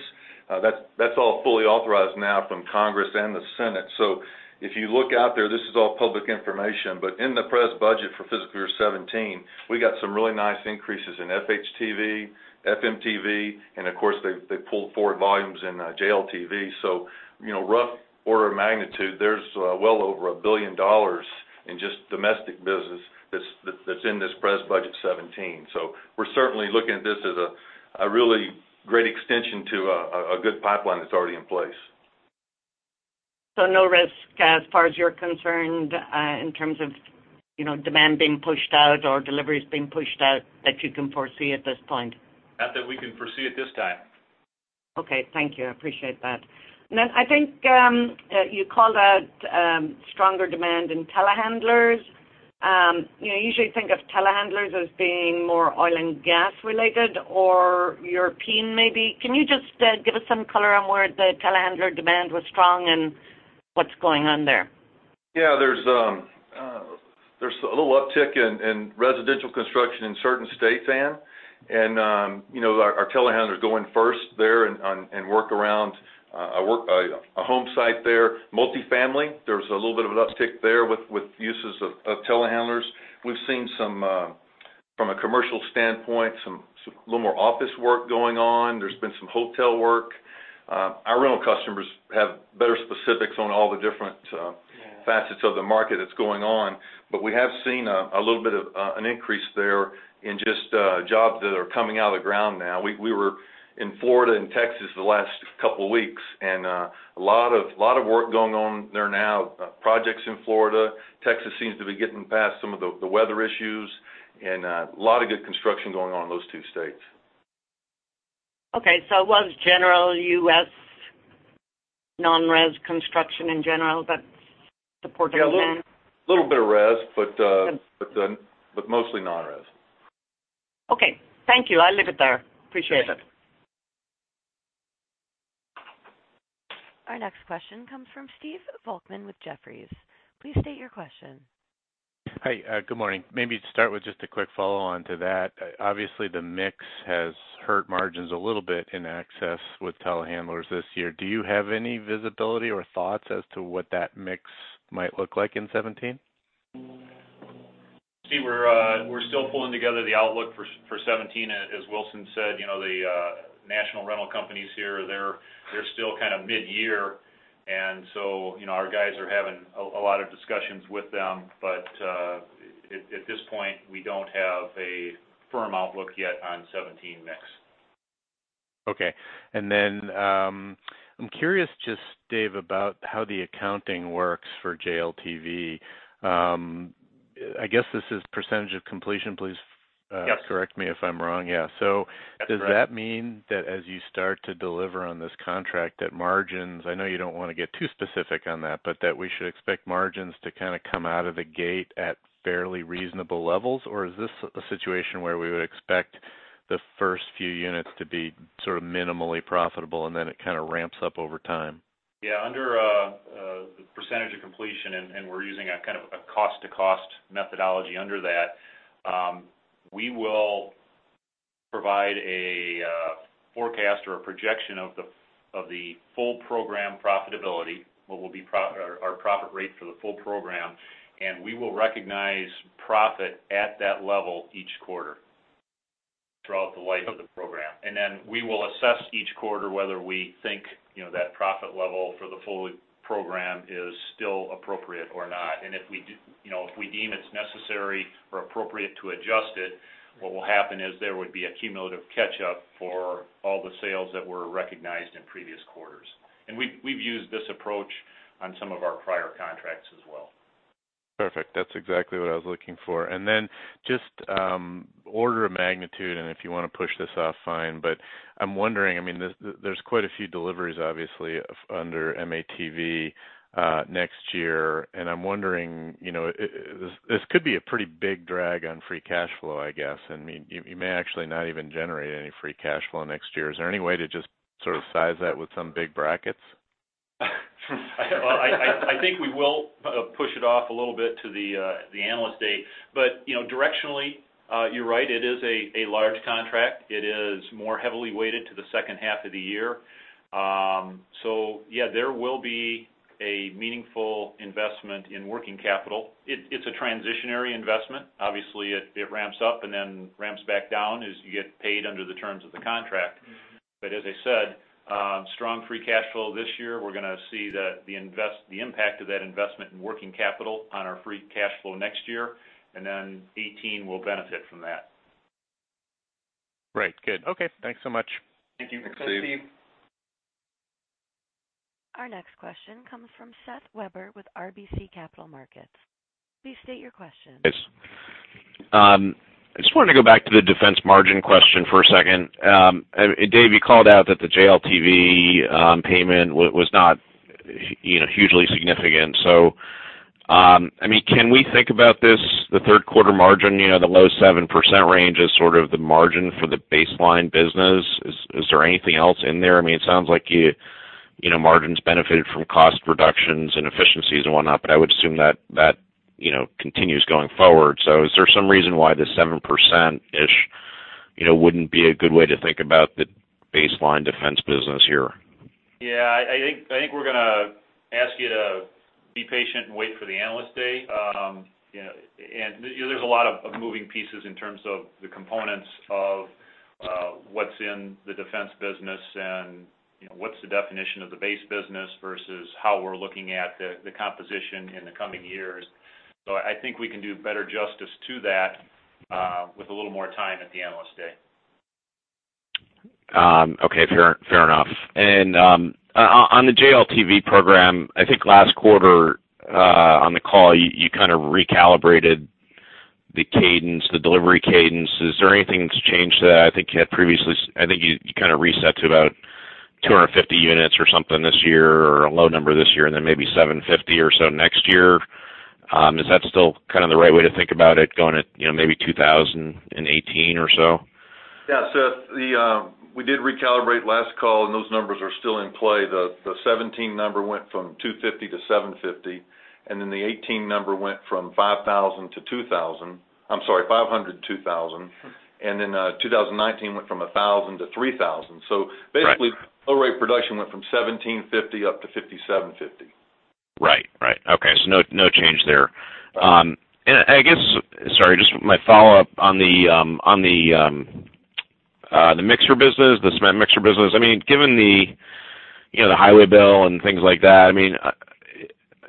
That's all fully authorized now from Congress and the Senate. So if you look out there, this is all public information, but in the President's budget for fiscal year 2017, we got some really nice increases in FHTV, FMTV, and of course, they pulled forward volumes in JLTV. So, you know, rough order of magnitude, there's well over $1 billion in just domestic business that's in this President's budget 2017. So we're certainly looking at this as a really great extension to a good pipeline that's already in place. No risk as far as you're concerned, in terms of, you know, demand being pushed out or deliveries being pushed out, that you can foresee at this point? Not that we can foresee at this time. Okay, thank you. I appreciate that. And then I think, you called out, stronger demand in telehandlers. You know, you usually think of telehandlers as being more oil and gas-related or European, maybe. Can you just, give us some color on where the telehandler demand was strong and what's going on there? Yeah, there's a little uptick in residential construction in certain states, Anne, and you know, our telehandlers go in first there and work around a home site there. Multifamily, there's a little bit of an uptick there with uses of telehandlers. We've seen some from a commercial standpoint, some a little more office work going on. There's been some hotel work. Our rental customers have better specifics on all the different facets of the market that's going on. But we have seen a little bit of an increase there in just jobs that are coming out of the ground now. We were in Florida and Texas the last couple weeks, and a lot of work going on there now. Projects in Florida. Texas seems to be getting past some of the weather issues, and a lot of good construction going on in those two states. Okay, so it was general U.S. non-res construction in general, that's supporting demand? Yeah, a little bit of res, but, but mostly non-res. Okay. Thank you. I'll leave it there. Appreciate it. Our next question comes from Stephen Volkmann with Jefferies. Please state your question. Hi, good morning. Maybe to start with just a quick follow-on to that. Obviously, the mix has hurt margins a little bit in access with telehandlers this year. Do you have any visibility or thoughts as to what that mix might look like in 2017? Steve, we're still pulling together the outlook for 2017. As Wilson said, you know, the national rental companies here, they're still kind of mid-year, and so, you know, our guys are having a lot of discussions with them. But at this point, we don't have a firm outlook yet on 2017 mix. Okay. I'm curious, just Dave, about how the accounting works for JLTV. I guess this is percentage of completion, please- Yes. Correct me if I'm wrong. Yeah. That's right. So does that mean that as you start to deliver on this contract, that margins... I know you don't want to get too specific on that, but that we should expect margins to kind of come out of the gate at fairly reasonable levels, or is this a situation where we would expect the first few units to be sort of minimally profitable, and then it kind of ramps up over time? Yeah, under the percentage of completion, and we're using a kind of a cost-to-cost methodology under that, we will provide a forecast or a projection of the full program profitability, what will be profit or our profit rate for the full program, and we will recognize profit at that level each quarter throughout the life of the program. And then we will assess each quarter whether we think, you know, that profit level for the full program is still appropriate or not. And if we do, you know, if we deem it's necessary or appropriate to adjust it, what will happen is there would be a cumulative catch-up for all the sales that were recognized in previous quarters. And we've used this approach on some of our prior contracts as well. Perfect. That's exactly what I was looking for. And then just order of magnitude, and if you wanna push this off, fine, but I'm wondering, I mean, there's quite a few deliveries, obviously, under M-ATV next year, and I'm wondering, you know, this could be a pretty big drag on free cash flow, I guess. I mean, you may actually not even generate any free cash flow next year. Is there any way to just sort of size that with some big brackets? I think we will push it off a little bit to the Analyst Day. But, you know, directionally, you're right, it is a large contract. It is more heavily weighted to the second half of the year. So yeah, there will be a meaningful investment in working capital. It's a transitory investment. Obviously, it ramps up and then ramps back down as you get paid under the terms of the contract. But as I said, strong free cash flow this year. We're gonna see the impact of that investment in working capital on our free cash flow next year, and then 2018 will benefit from that. Right. Good. Okay, thanks so much. Thank you. Our next question comes from Seth Weber with RBC Capital Markets. Please state your question. Thanks. I just wanted to go back to the Defense margin question for a second. And Dave, you called out that the JLTV payment was not, you know, hugely significant. So, I mean, can we think about this, the third quarter margin, you know, the low 7% range as sort of the margin for the baseline business? Is, is there anything else in there? I mean, it sounds like you, you know, margins benefited from cost reductions and efficiencies and whatnot, but I would assume that, that, you know, continues going forward. So is there some reason why the 7%-ish, you know, wouldn't be a good way to think about the baseline Defense business here? Yeah, I think we're gonna ask you to be patient and wait for the Analyst Day. You know, and, you know, there's a lot of moving pieces in terms of the components of what's in the Defense business and, you know, what's the definition of the base business versus how we're looking at the composition in the coming years. So I think we can do better justice to that with a little more time at the Analyst Day. Okay. Fair, fair enough. And on the JLTV program, I think last quarter, on the call, you kind of recalibrated the cadence, the delivery cadence. Is there anything that's changed that? I think you had previously... I think you kind of reset to about 250 units or something this year, or a low number this year, and then maybe 750 or so next year. Is that still kind of the right way to think about it, going at, you know, maybe 2,000 in 2018 or so? Yeah, Seth, we did recalibrate last call, and those numbers are still in play. The 2017 number went from 250 to 750, and then the 2018 number went from 5,000 to 2,000. I'm sorry, 500 to 2,000. And then, 2019 went from 1,000 to 3,000. Right. Basically, our rate production went from 1,750 up to 5,750. Right. Right. Okay, so no, no change there. And I guess, sorry, just my follow-up on the mixer business, the cement mixer business. I mean, given the, you know, the highway bill and things like that, I mean,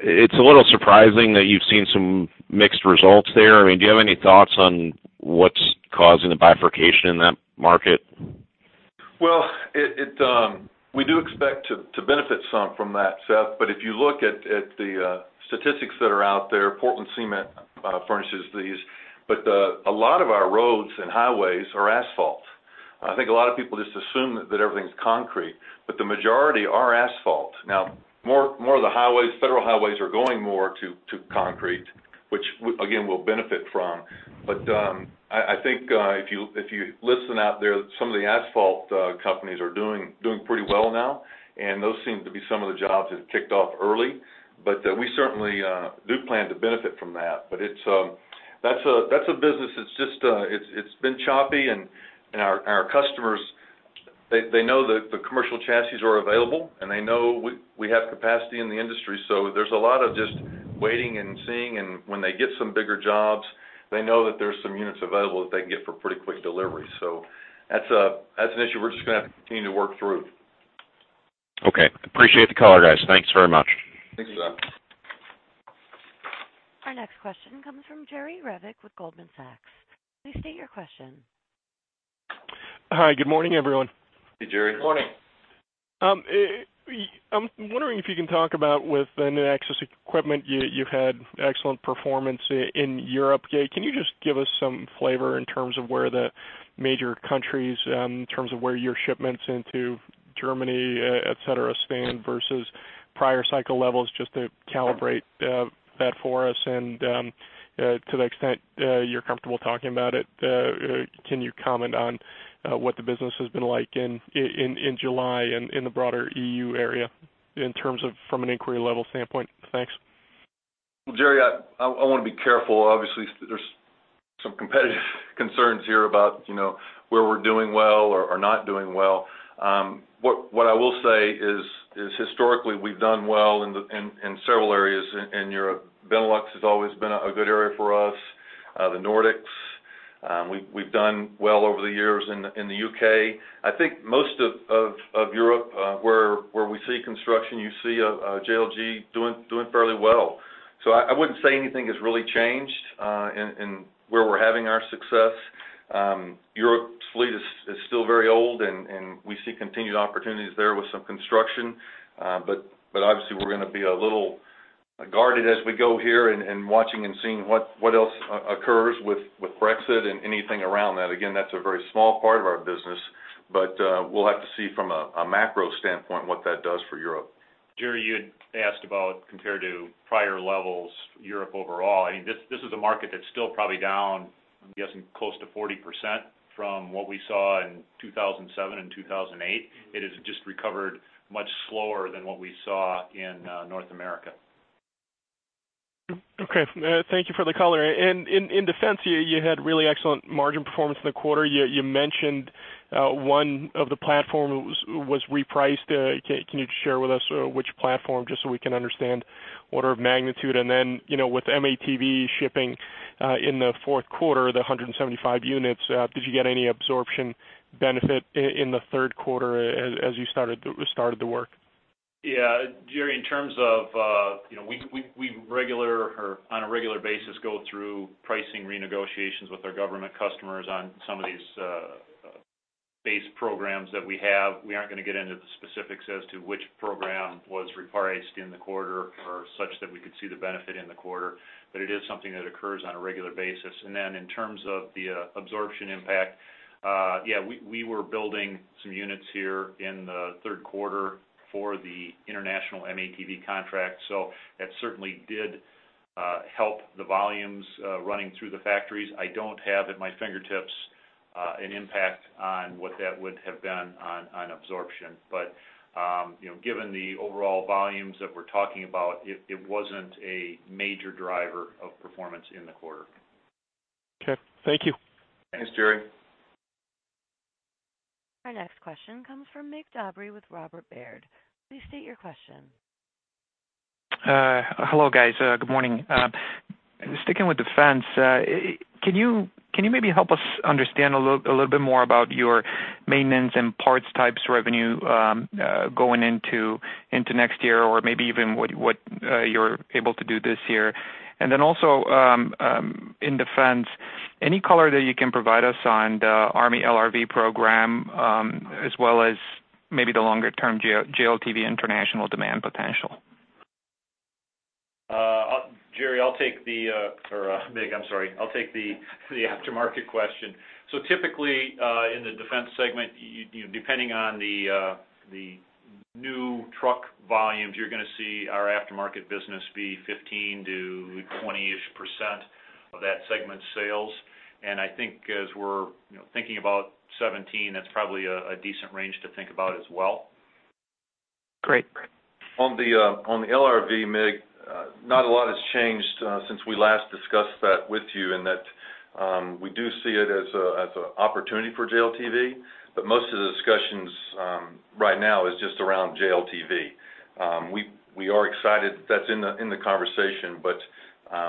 it's a little surprising that you've seen some mixed results there. I mean, do you have any thoughts on what's causing the bifurcation in that market? Well, we do expect to benefit some from that, Seth. But if you look at the statistics that are out there, Portland Cement furnishes these, but a lot of our roads and highways are asphalt. I think a lot of people just assume that everything's concrete, but the majority are asphalt. Now, more of the highways, federal highways, are going more to concrete, which again, we'll benefit from. But I think if you listen out there, some of the asphalt companies are doing pretty well now, and those seem to be some of the jobs that have kicked off early. But we certainly do plan to benefit from that. But it's a business that's just been choppy, and our customers know that the commercial chassis are available, and they know we have capacity in the industry. So there's a lot of just waiting and seeing, and when they get some bigger jobs, they know that there's some units available that they can get for pretty quick delivery. So that's an issue we're just gonna have to continue to work through. Okay. Appreciate the color, guys. Thanks very much. Thanks, Seth. Our next question comes from Jerry Revich with Goldman Sachs. Please state your question. Hi, good morning, everyone. Hey, Jerry. Good morning. I'm wondering if you can talk about with the new access equipment, you had excellent performance in Europe. Can you just give us some flavor in terms of where the major countries, in terms of where your shipments into Germany, et cetera, Spain, versus prior cycle levels, just to calibrate that for us? And, to the extent you're comfortable talking about it, can you comment on what the business has been like in July and in the broader EU area in terms of from an inquiry level standpoint? Thanks. Well, Jerry, I wanna be careful. Obviously, there's some competitive concerns here about, you know, where we're doing well or not doing well. What I will say is historically, we've done well in several areas in Europe. Benelux has always been a good area for us, the Nordics. We've done well over the years in the UK. I think most of Europe, where we see construction, you see JLG doing fairly well. So I wouldn't say anything has really changed in where we're having our success. Europe's fleet is still very old, and we see continued opportunities there with some construction. But obviously, we're gonna be a little guarded as we go here and watching and seeing what else occurs with Brexit and anything around that. Again, that's a very small part of our business, but we'll have to see from a macro standpoint what that does for Europe. Jerry, you had asked about compared to prior levels, Europe overall. I mean, this is a market that's still probably down, I'm guessing, close to 40% from what we saw in 2007 and 2008. It has just recovered much slower than what we saw in North America. Okay. Thank you for the color. And in Defense, you had really excellent margin performance in the quarter. You mentioned one of the platform was repriced. Can you just share with us which platform, just so we can understand? Order of magnitude, and then, you know, with M-ATV shipping in the fourth quarter, the 175 units, did you get any absorption benefit in the third quarter as you started the work? Yeah, Jerry, in terms of, you know, we regularly or on a regular basis go through pricing renegotiations with our government customers on some of these base programs that we have. We aren't gonna get into the specifics as to which program was repriced in the quarter or such that we could see the benefit in the quarter, but it is something that occurs on a regular basis. And then in terms of the absorption impact, yeah, we were building some units here in the third quarter for the international M-ATV contract, so that certainly did help the volumes running through the factories. I don't have at my fingertips an impact on what that would have been on absorption. You know, given the overall volumes that we're talking about, it wasn't a major driver of performance in the quarter. Okay. Thank you. Thanks, Jerry. Our next question comes from Mig Dobre with Robert Baird. Please state your question. Hello, guys. Good morning. Sticking with Defense, can you maybe help us understand a little bit more about your maintenance and parts types revenue, going into next year, or maybe even what you're able to do this year? And then also, in Defense, any color that you can provide us on the Army LRV program, as well as maybe the longer term JLTV international demand potential? I'll, Jerry, I'll take the, or, Mig, I'm sorry. I'll take the aftermarket question. So typically, in the Defense segment, you depending on the new truck volumes, you're gonna see our aftermarket business be 15% to 20%-ish of that segment's sales. And I think as we're, you know, thinking about 2017, that's probably a decent range to think about as well. Great. On the LRV, Mig, not a lot has changed since we last discussed that with you, in that we do see it as an opportunity for JLTV, but most of the discussions right now is just around JLTV. We are excited that's in the conversation, but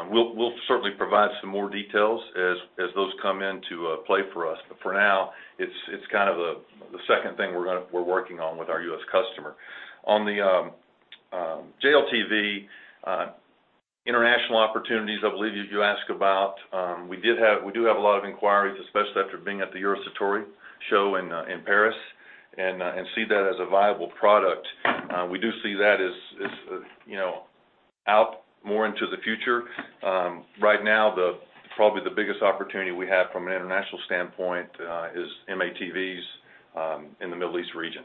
we'll certainly provide some more details as those come into play for us. But for now, it's kind of the second thing we're working on with our U.S. customer. On the JLTV international opportunities, I believe you asked about, we do have a lot of inquiries, especially after being at the Eurosatory show in Paris, and see that as a viable product. We do see that as you know out more into the future. Right now, probably the biggest opportunity we have from an international standpoint is M-ATVs in the Middle East region.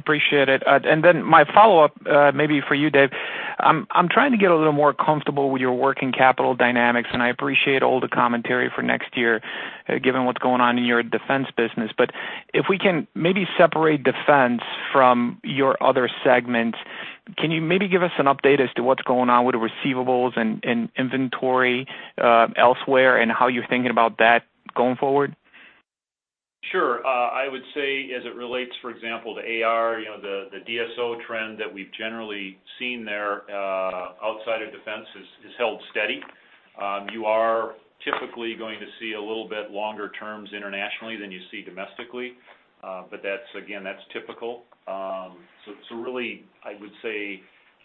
I appreciate it. And then my follow-up, maybe for you, Dave. I'm trying to get a little more comfortable with your working capital dynamics, and I appreciate all the commentary for next year, given what's going on in your Defense business. But if we can maybe separate Defense from your other segments, can you maybe give us an update as to what's going on with the receivables and inventory elsewhere, and how you're thinking about that going forward? Sure. I would say as it relates, for example, to AR, you know, the DSO trend that we've generally seen there outside of Defense is held steady. You are typically going to see a little bit longer terms internationally than you see domestically, but that's again, that's typical. So really, I would say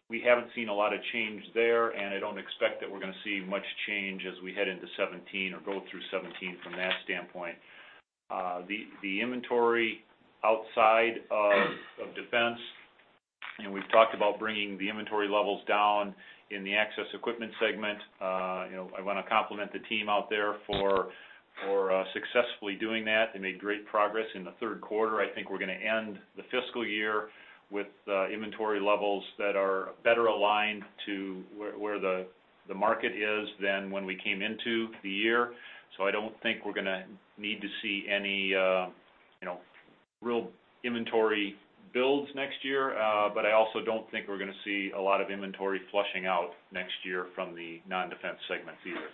we haven't seen a lot of change there, and I don't expect that we're gonna see much change as we head into '17 or go through '17 from that standpoint. The inventory outside of Defense, and we've talked about bringing the inventory levels down Access Equipment segment, you know, I wanna compliment the team out there for successfully doing that. They made great progress in the third quarter. I think we're gonna end the fiscal year with inventory levels that are better aligned to where the market is than when we came into the year. So I don't think we're gonna need to see any, you know, real inventory builds next year, but I also don't think we're gonna see a lot of inventory flushing out next year from the Non-Defense segments either.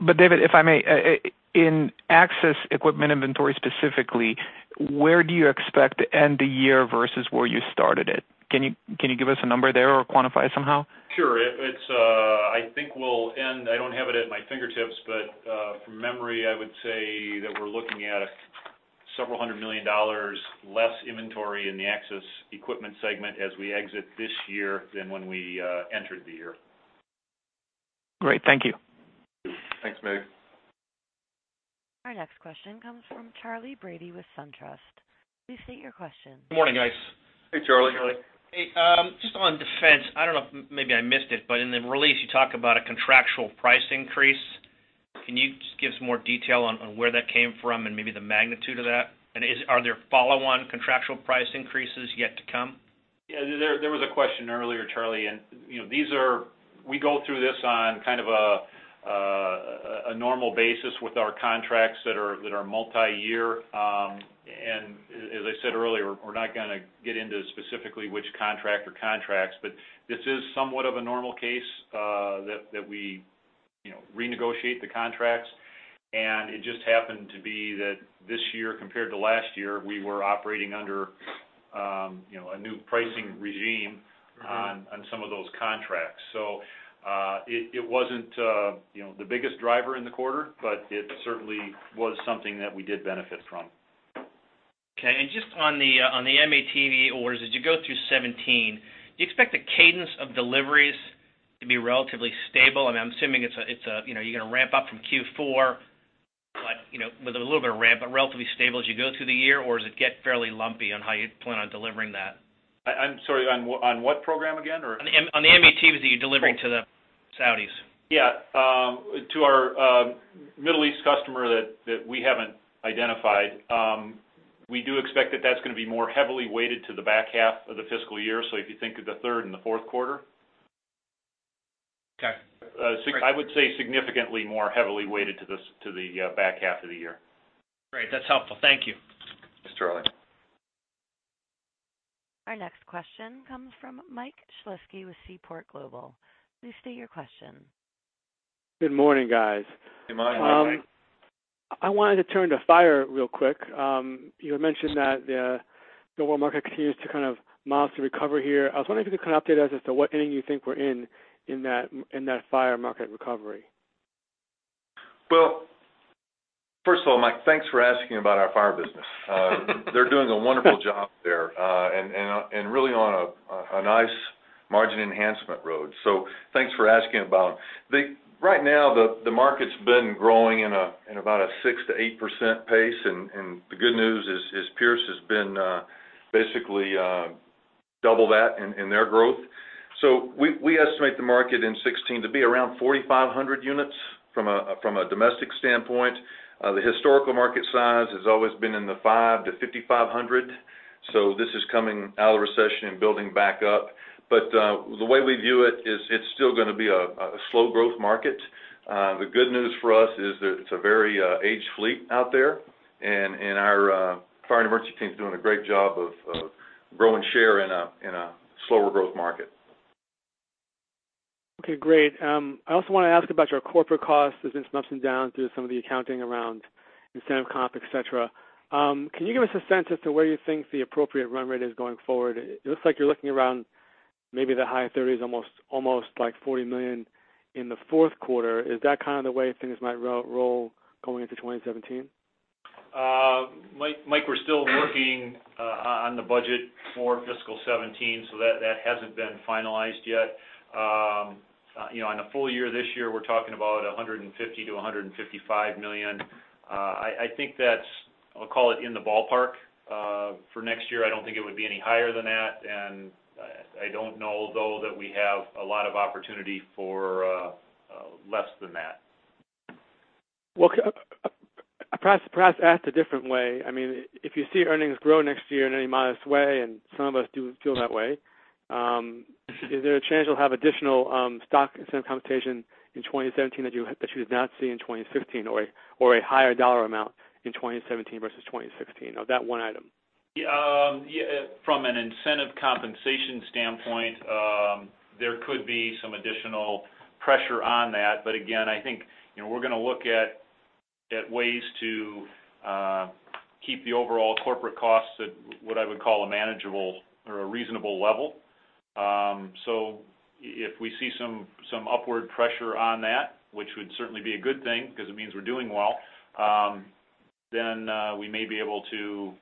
But David, if I may, in access equipment inventory specifically, where do you expect to end the year versus where you started it? Can you give us a number there or quantify it somehow? Sure. It's, I think we'll end. I don't have it at my fingertips, but from memory, I would say that we're looking at several hundred million less inventory Access Equipment segment as we exit this year than when we entered the year. Great. Thank you. Thanks, Mig. Our next question comes from Charlie Brady with SunTrust. Please state your question. Good morning, guys. Hey, Charlie. Hey, just on Defense, I don't know, maybe I missed it, but in the release, you talk about a contractual price increase. Can you just give us more detail on where that came from and maybe the magnitude of that? And are there follow-on contractual price increases yet to come? Yeah, there was a question earlier, Charlie, and, you know, these are -- we go through this on kind of a normal basis with our contracts that are multi-year. And as I said earlier, we're not gonna get into specifically which contract or contracts, but this is somewhat of a normal case, you know, renegotiate the contracts. And it just happened to be that this year, compared to last year, we were operating under, you know, a new pricing regime on some of those contracts. So, it wasn't, you know, the biggest driver in the quarter, but it certainly was something that we did benefit from. Okay. Just on the M-ATV orders, as you go through 2017, do you expect the cadence of deliveries to be relatively stable? I mean, I'm assuming it's a, you know, you're gonna ramp up from Q4, but, you know, with a little bit of ramp, but relatively stable as you go through the year? Or does it get fairly lumpy on how you plan on delivering that? I'm sorry, on what, on what program again, or? On the M-ATVs that you're delivering to the Saudis. Yeah. To our Middle East customer that we haven't identified, we do expect that that's gonna be more heavily weighted to the back half of the fiscal year. So if you think of the third and the fourth quarter. Okay. I would say significantly more heavily weighted to this, to the, back half of the year. Great. That's helpful. Thank you. Thanks, Charlie. Our next question comes from Mike Shlisky with Seaport Global. Please state your question. Good morning, guys. Good morning, Mike. I wanted to turn to fire real quick. You had mentioned that the world market continues to kind of modestly recover here. I was wondering if you could kind of update us as to what inning you think we're in, in that fire market recovery? Well, first of all, Mike, thanks for asking about our fire business. They're doing a wonderful job there, and really on a nice margin enhancement road. So thanks for asking about them. The right now, the market's been growing in about a 6% to 8% pace, and the good news is Pierce has been basically double that in their growth. So we estimate the market in 2016 to be around 4,500 units from a domestic standpoint. The historical market size has always been in the 5,000 to 5,500, so this is coming out of the recession and building back up. But the way we view it is it's still gonna be a slow growth market. The good news for us is that it's a very aged fleet out there, and our Fire & Emergency team is doing a great job of growing share in a slower growth market. Okay, great. I also want to ask about your corporate costs. There's been some ups and downs through some of the accounting around incentive comp, et cetera. Can you give us a sense as to where you think the appropriate run rate is going forward? It looks like you're looking around maybe the high 30s, almost, almost like $40 million in the fourth quarter. Is that kind of the way things might roll going into 2017? Mike, Mike, we're still working on the budget for fiscal 2017, so that hasn't been finalized yet. You know, on a full year, this year, we're talking about $150 million to $155 million. I think that's, I'll call it, in the ballpark. For next year, I don't think it would be any higher than that, and I don't know, though, that we have a lot of opportunity for less than that. Well, perhaps asked a different way, I mean, if you see earnings grow next year in any modest way, and some of us do feel that way, is there a chance you'll have additional stock incentive compensation in 2017 that you did not see in 2015, or a higher dollar amount in 2017 versus 2016, of that one item? Yeah, from an incentive compensation standpoint, there could be some additional pressure on that. But again, I think, you know, we're gonna look at ways to keep the overall corporate costs at what I would call a manageable or a reasonable level. So if we see some upward pressure on that, which would certainly be a good thing because it means we're doing well, then we may be able to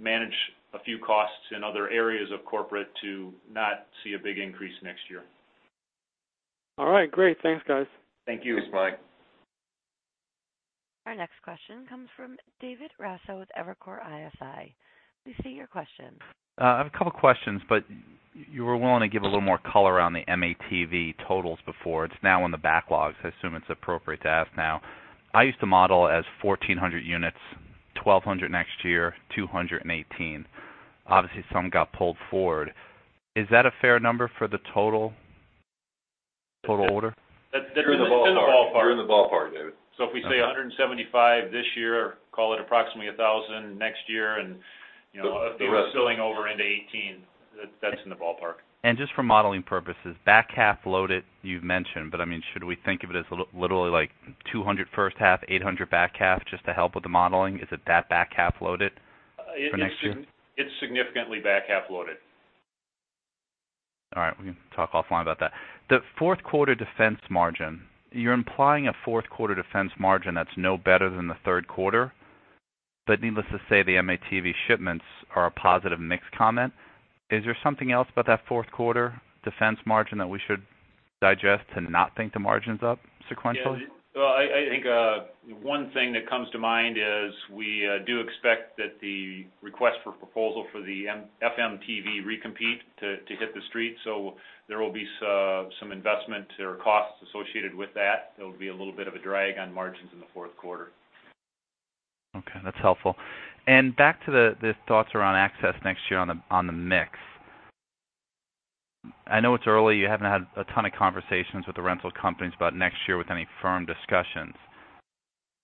manage a few costs in other areas of corporate to not see a big increase next year. All right, great. Thanks, guys. Thank you. Thanks, Mike. Our next question comes from David Raso with Evercore ISI. Please state your question. I have a couple questions, but you were willing to give a little more color on the M-ATV totals before. It's now in the backlogs. I assume it's appropriate to ask now. I used to model as 1,400 units, 1,200 next year, 218. Obviously, some got pulled forward. Is that a fair number for the total, total order? That's in the ballpark. You're in the ballpark, David. So if we say 175 this year, call it approximately 1,000 next year, and, you know, a few spilling over into 2018, that's in the ballpark. Just for modeling purposes, back half loaded, you've mentioned, but I mean, should we think of it as literally, like 200 first half, 800 back half, just to help with the modeling? Is it that back half loaded for next year? It's significantly back half loaded. All right, we can talk offline about that. The fourth quarter Defense margin, you're implying a fourth quarter Defense margin that's no better than the third quarter. But needless to say, the M-ATV shipments are a positive mix comment. Is there something else about that fourth quarter Defense margin that we should digest and not think the margin's up sequentially? Yeah. Well, I think one thing that comes to mind is, we do expect that the request for proposal for the FMTV recompete to hit the street. So there will be some investment or costs associated with that. There will be a little bit of a drag on margins in the fourth quarter. Okay, that's helpful. Back to the thoughts around access next year on the mix. I know it's early, you haven't had a ton of conversations with the rental companies about next year with any firm discussions,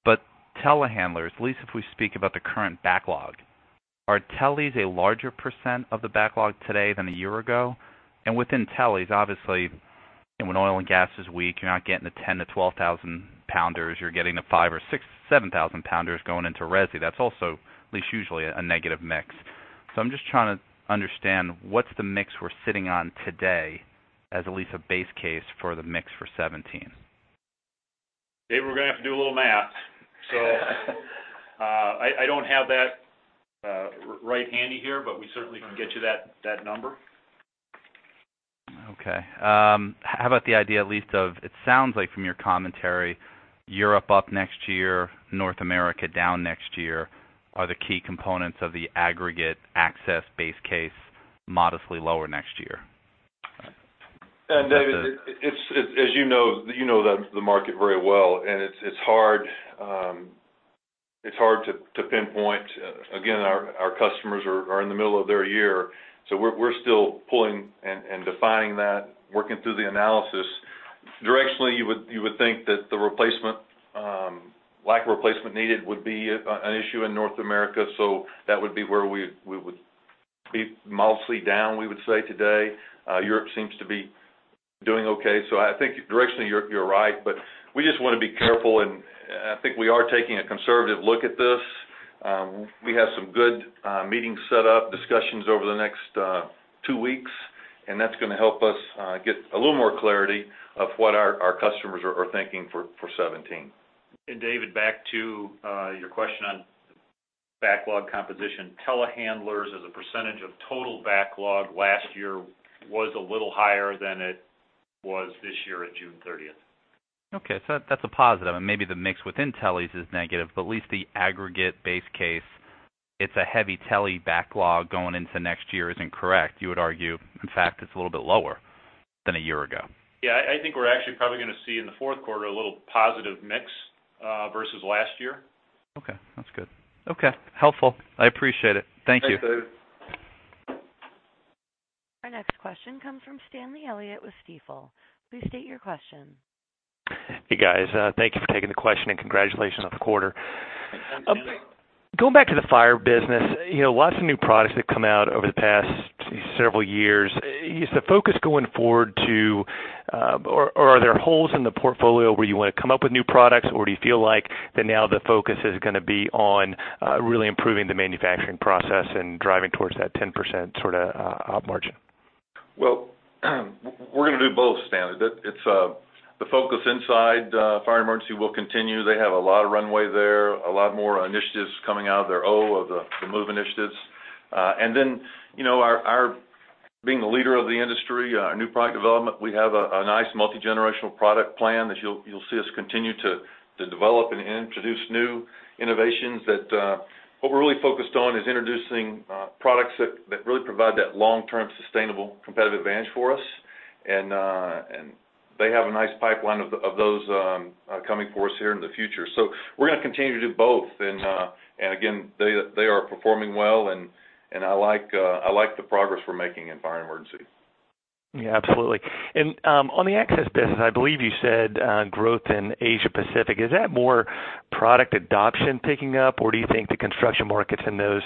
but telehandlers, at least if we speak about the current backlog, are teles a larger percent of the backlog today than a year ago? And within teles, obviously, and when oil and gas is weak, you're not getting the 10,000 to 12,000-pounders, you're getting the 5,000- or 6,000-7,000-pounders going into resi. That's also, at least usually, a negative mix. So I'm just trying to understand what's the mix we're sitting on today as at least a base case for the mix for 2017. David, we're gonna have to do a little math. So, I don't have that right handy here, but we certainly can get you that number. Okay. How about the idea, at least of, it sounds like from your commentary, Europe up next year, North America down next year, are the key components of the aggregate access base case, modestly lower next year? David, it's as you know, you know the market very well, and it's hard to pinpoint. Again, our customers are in the middle of their year, so we're still pulling and defining that, working through the analysis. Directionally, you would think that the lack of replacement needed would be an issue in North America, so that would be where we'd be mostly down, we would say today. Europe seems to be doing okay. So I think directionally, you're right, but we just wanna be careful, and I think we are taking a conservative look at this. We have some good meetings set up, discussions over the next two weeks, and that's gonna help us get a little more clarity of what our customers are thinking for 2017. David, back to your question on backlog composition. Telehandlers, as a percentage of total backlog last year, was a little higher than it was this year at June thirtieth. Okay. So that's a positive, and maybe the mix within teles is negative, but at least the aggregate base case, it's a heavy tele backlog going into next year isn't correct. You would argue, in fact, it's a little bit lower than a year ago. Yeah, I think we're actually probably gonna see in the fourth quarter, a little positive mix versus last year. Okay, that's good. Okay. Helpful. I appreciate it. Thank you. Thanks, David. Our next question comes from Stanley Elliott with Stifel. Please state your question. Hey, guys, thank you for taking the question, and congratulations on the quarter. Going back to the fire business, you know, lots of new products that have come out over the past several years. Is the focus going forward to, or, or are there holes in the portfolio where you wanna come up with new products, or do you feel like that now the focus is gonna be on, really improving the manufacturing process and driving towards that 10% sort of op margin? Well, we're gonna do both, Stanley. It's the focus inside Fire & Emergency will continue. They have a lot of runway there, a lot more initiatives coming out of there. Oh, of the MOVE initiatives. And then, you know, our being the leader of the industry, our new product development, we have a nice multigenerational product plan that you'll see us continue to develop and introduce new innovations that... What we're really focused on is introducing products that really provide that long-term, sustainable competitive advantage for us. And they have a nice pipeline of those coming for us here in the future. So we're gonna continue to do both. And again, they are performing well, and I like the progress we're making in Fire & Emergency. Yeah, absolutely. And on the access business, I believe you said growth in Asia Pacific. Is that more product adoption picking up, or do you think the construction markets in those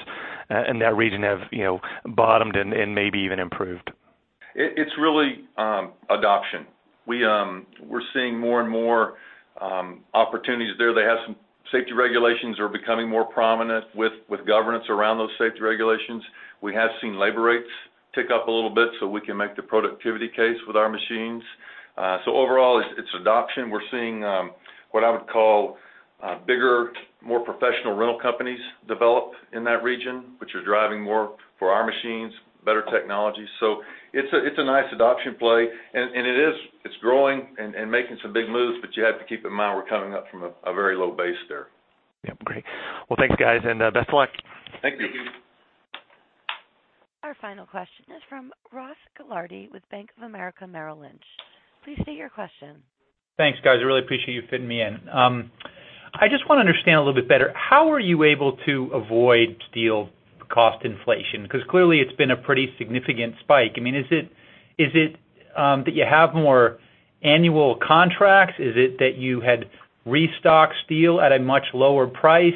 in that region have, you know, bottomed and maybe even improved? It's really adoption. We're seeing more and more opportunities there. They have some safety regulations are becoming more prominent with governance around those safety regulations. We have seen labor rates tick up a little bit, so we can make the productivity case with our machines. So overall, it's adoption. We're seeing what I would call bigger, more professional rental companies develop in that region, which are driving more for our machines, better technology. So it's a nice adoption play, and it is growing and making some big moves, but you have to keep in mind, we're coming up from a very low base there. Yep, great. Well, thanks, guys, and best luck. Thank you. Our final question is from Ross Gilardi with Bank of America Merrill Lynch. Please state your question. Thanks, guys. I really appreciate you fitting me in. I just wanna understand a little bit better: How were you able to avoid steel cost inflation? Because clearly, it's been a pretty significant spike. I mean, is it that you have more annual contracts? Is it that you had restocked steel at a much lower price?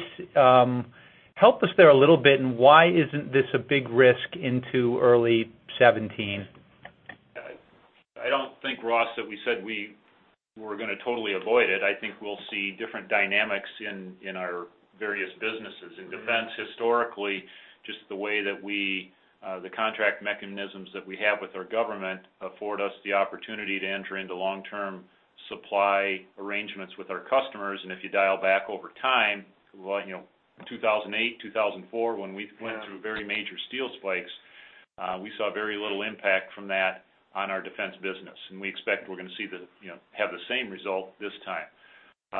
Help us there a little bit, and why isn't this a big risk into early 2017? I don't think, Ross, that we said we were gonna totally avoid it. I think we'll see different dynamics in our various businesses. In Defense, historically, just the way that we, the contract mechanisms that we have with our government, afford us the opportunity to enter into long-term supply arrangements with our customers. And if you dial back over time, well, you know, 2008, 2004, when we went through very major steel spikes, we saw very little impact from that on our Defense business, and we expect we're gonna see the, you know, have the same result this time.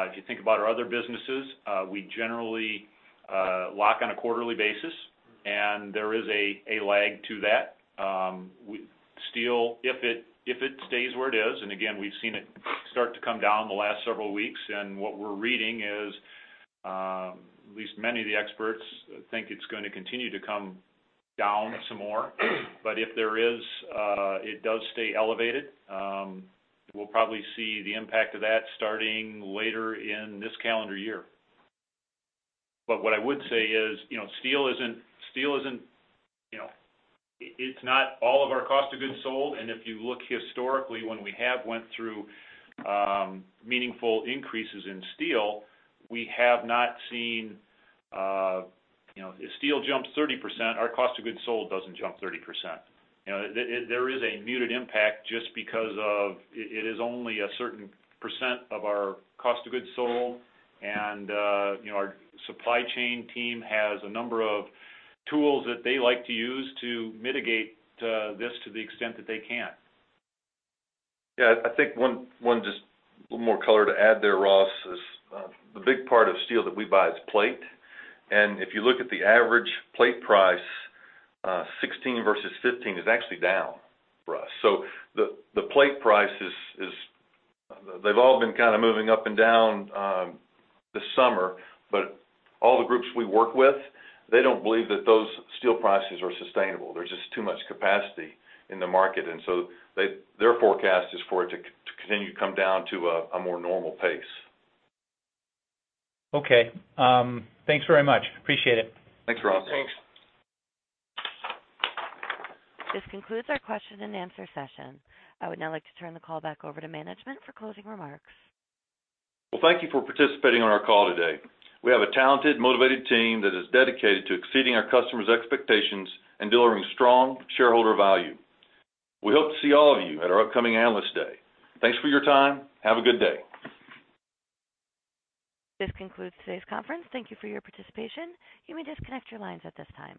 If you think about our other businesses, we generally lock on a quarterly basis, and there is a lag to that. Steel, if it stays where it is, and again, we've seen it start to come down in the last several weeks, and what we're reading is, at least many of the experts think it's going to continue to come down some more. But if it does stay elevated, we'll probably see the impact of that starting later in this calendar year. But what I would say is, you know, steel isn't, steel isn't, you know, it, it's not all of our cost of goods sold. And if you look historically, when we have went through meaningful increases in steel, we have not seen, you know, if steel jumps 30%, our cost of goods sold doesn't jump 30%. You know, there is a muted impact just because of it. It is only a certain percent of our cost of goods sold. You know, our supply chain team has a number of tools that they like to use to mitigate this to the extent that they can. Yeah, I think one just little more color to add there, Ross, is the big part of steel that we buy is plate. And if you look at the average plate price, 2016 versus 2015 is actually down for us. So the plate price is. They've all been kind of moving up and down this summer, but all the groups we work with, they don't believe that those steel prices are sustainable. There's just too much capacity in the market, and so their forecast is for it to continue to come down to a more normal pace. Okay. Thanks very much. Appreciate it. Thanks, Ross. Thanks. This concludes our question-and-answer session. I would now like to turn the call back over to management for closing remarks. Well, thank you for participating on our call today. We have a talented, motivated team that is dedicated to exceeding our customers' expectations and delivering strong shareholder value. We hope to see all of you at our upcoming Analyst Day. Thanks for your time. Have a good day. This concludes today's conference. Thank you for your participation. You may disconnect your lines at this time.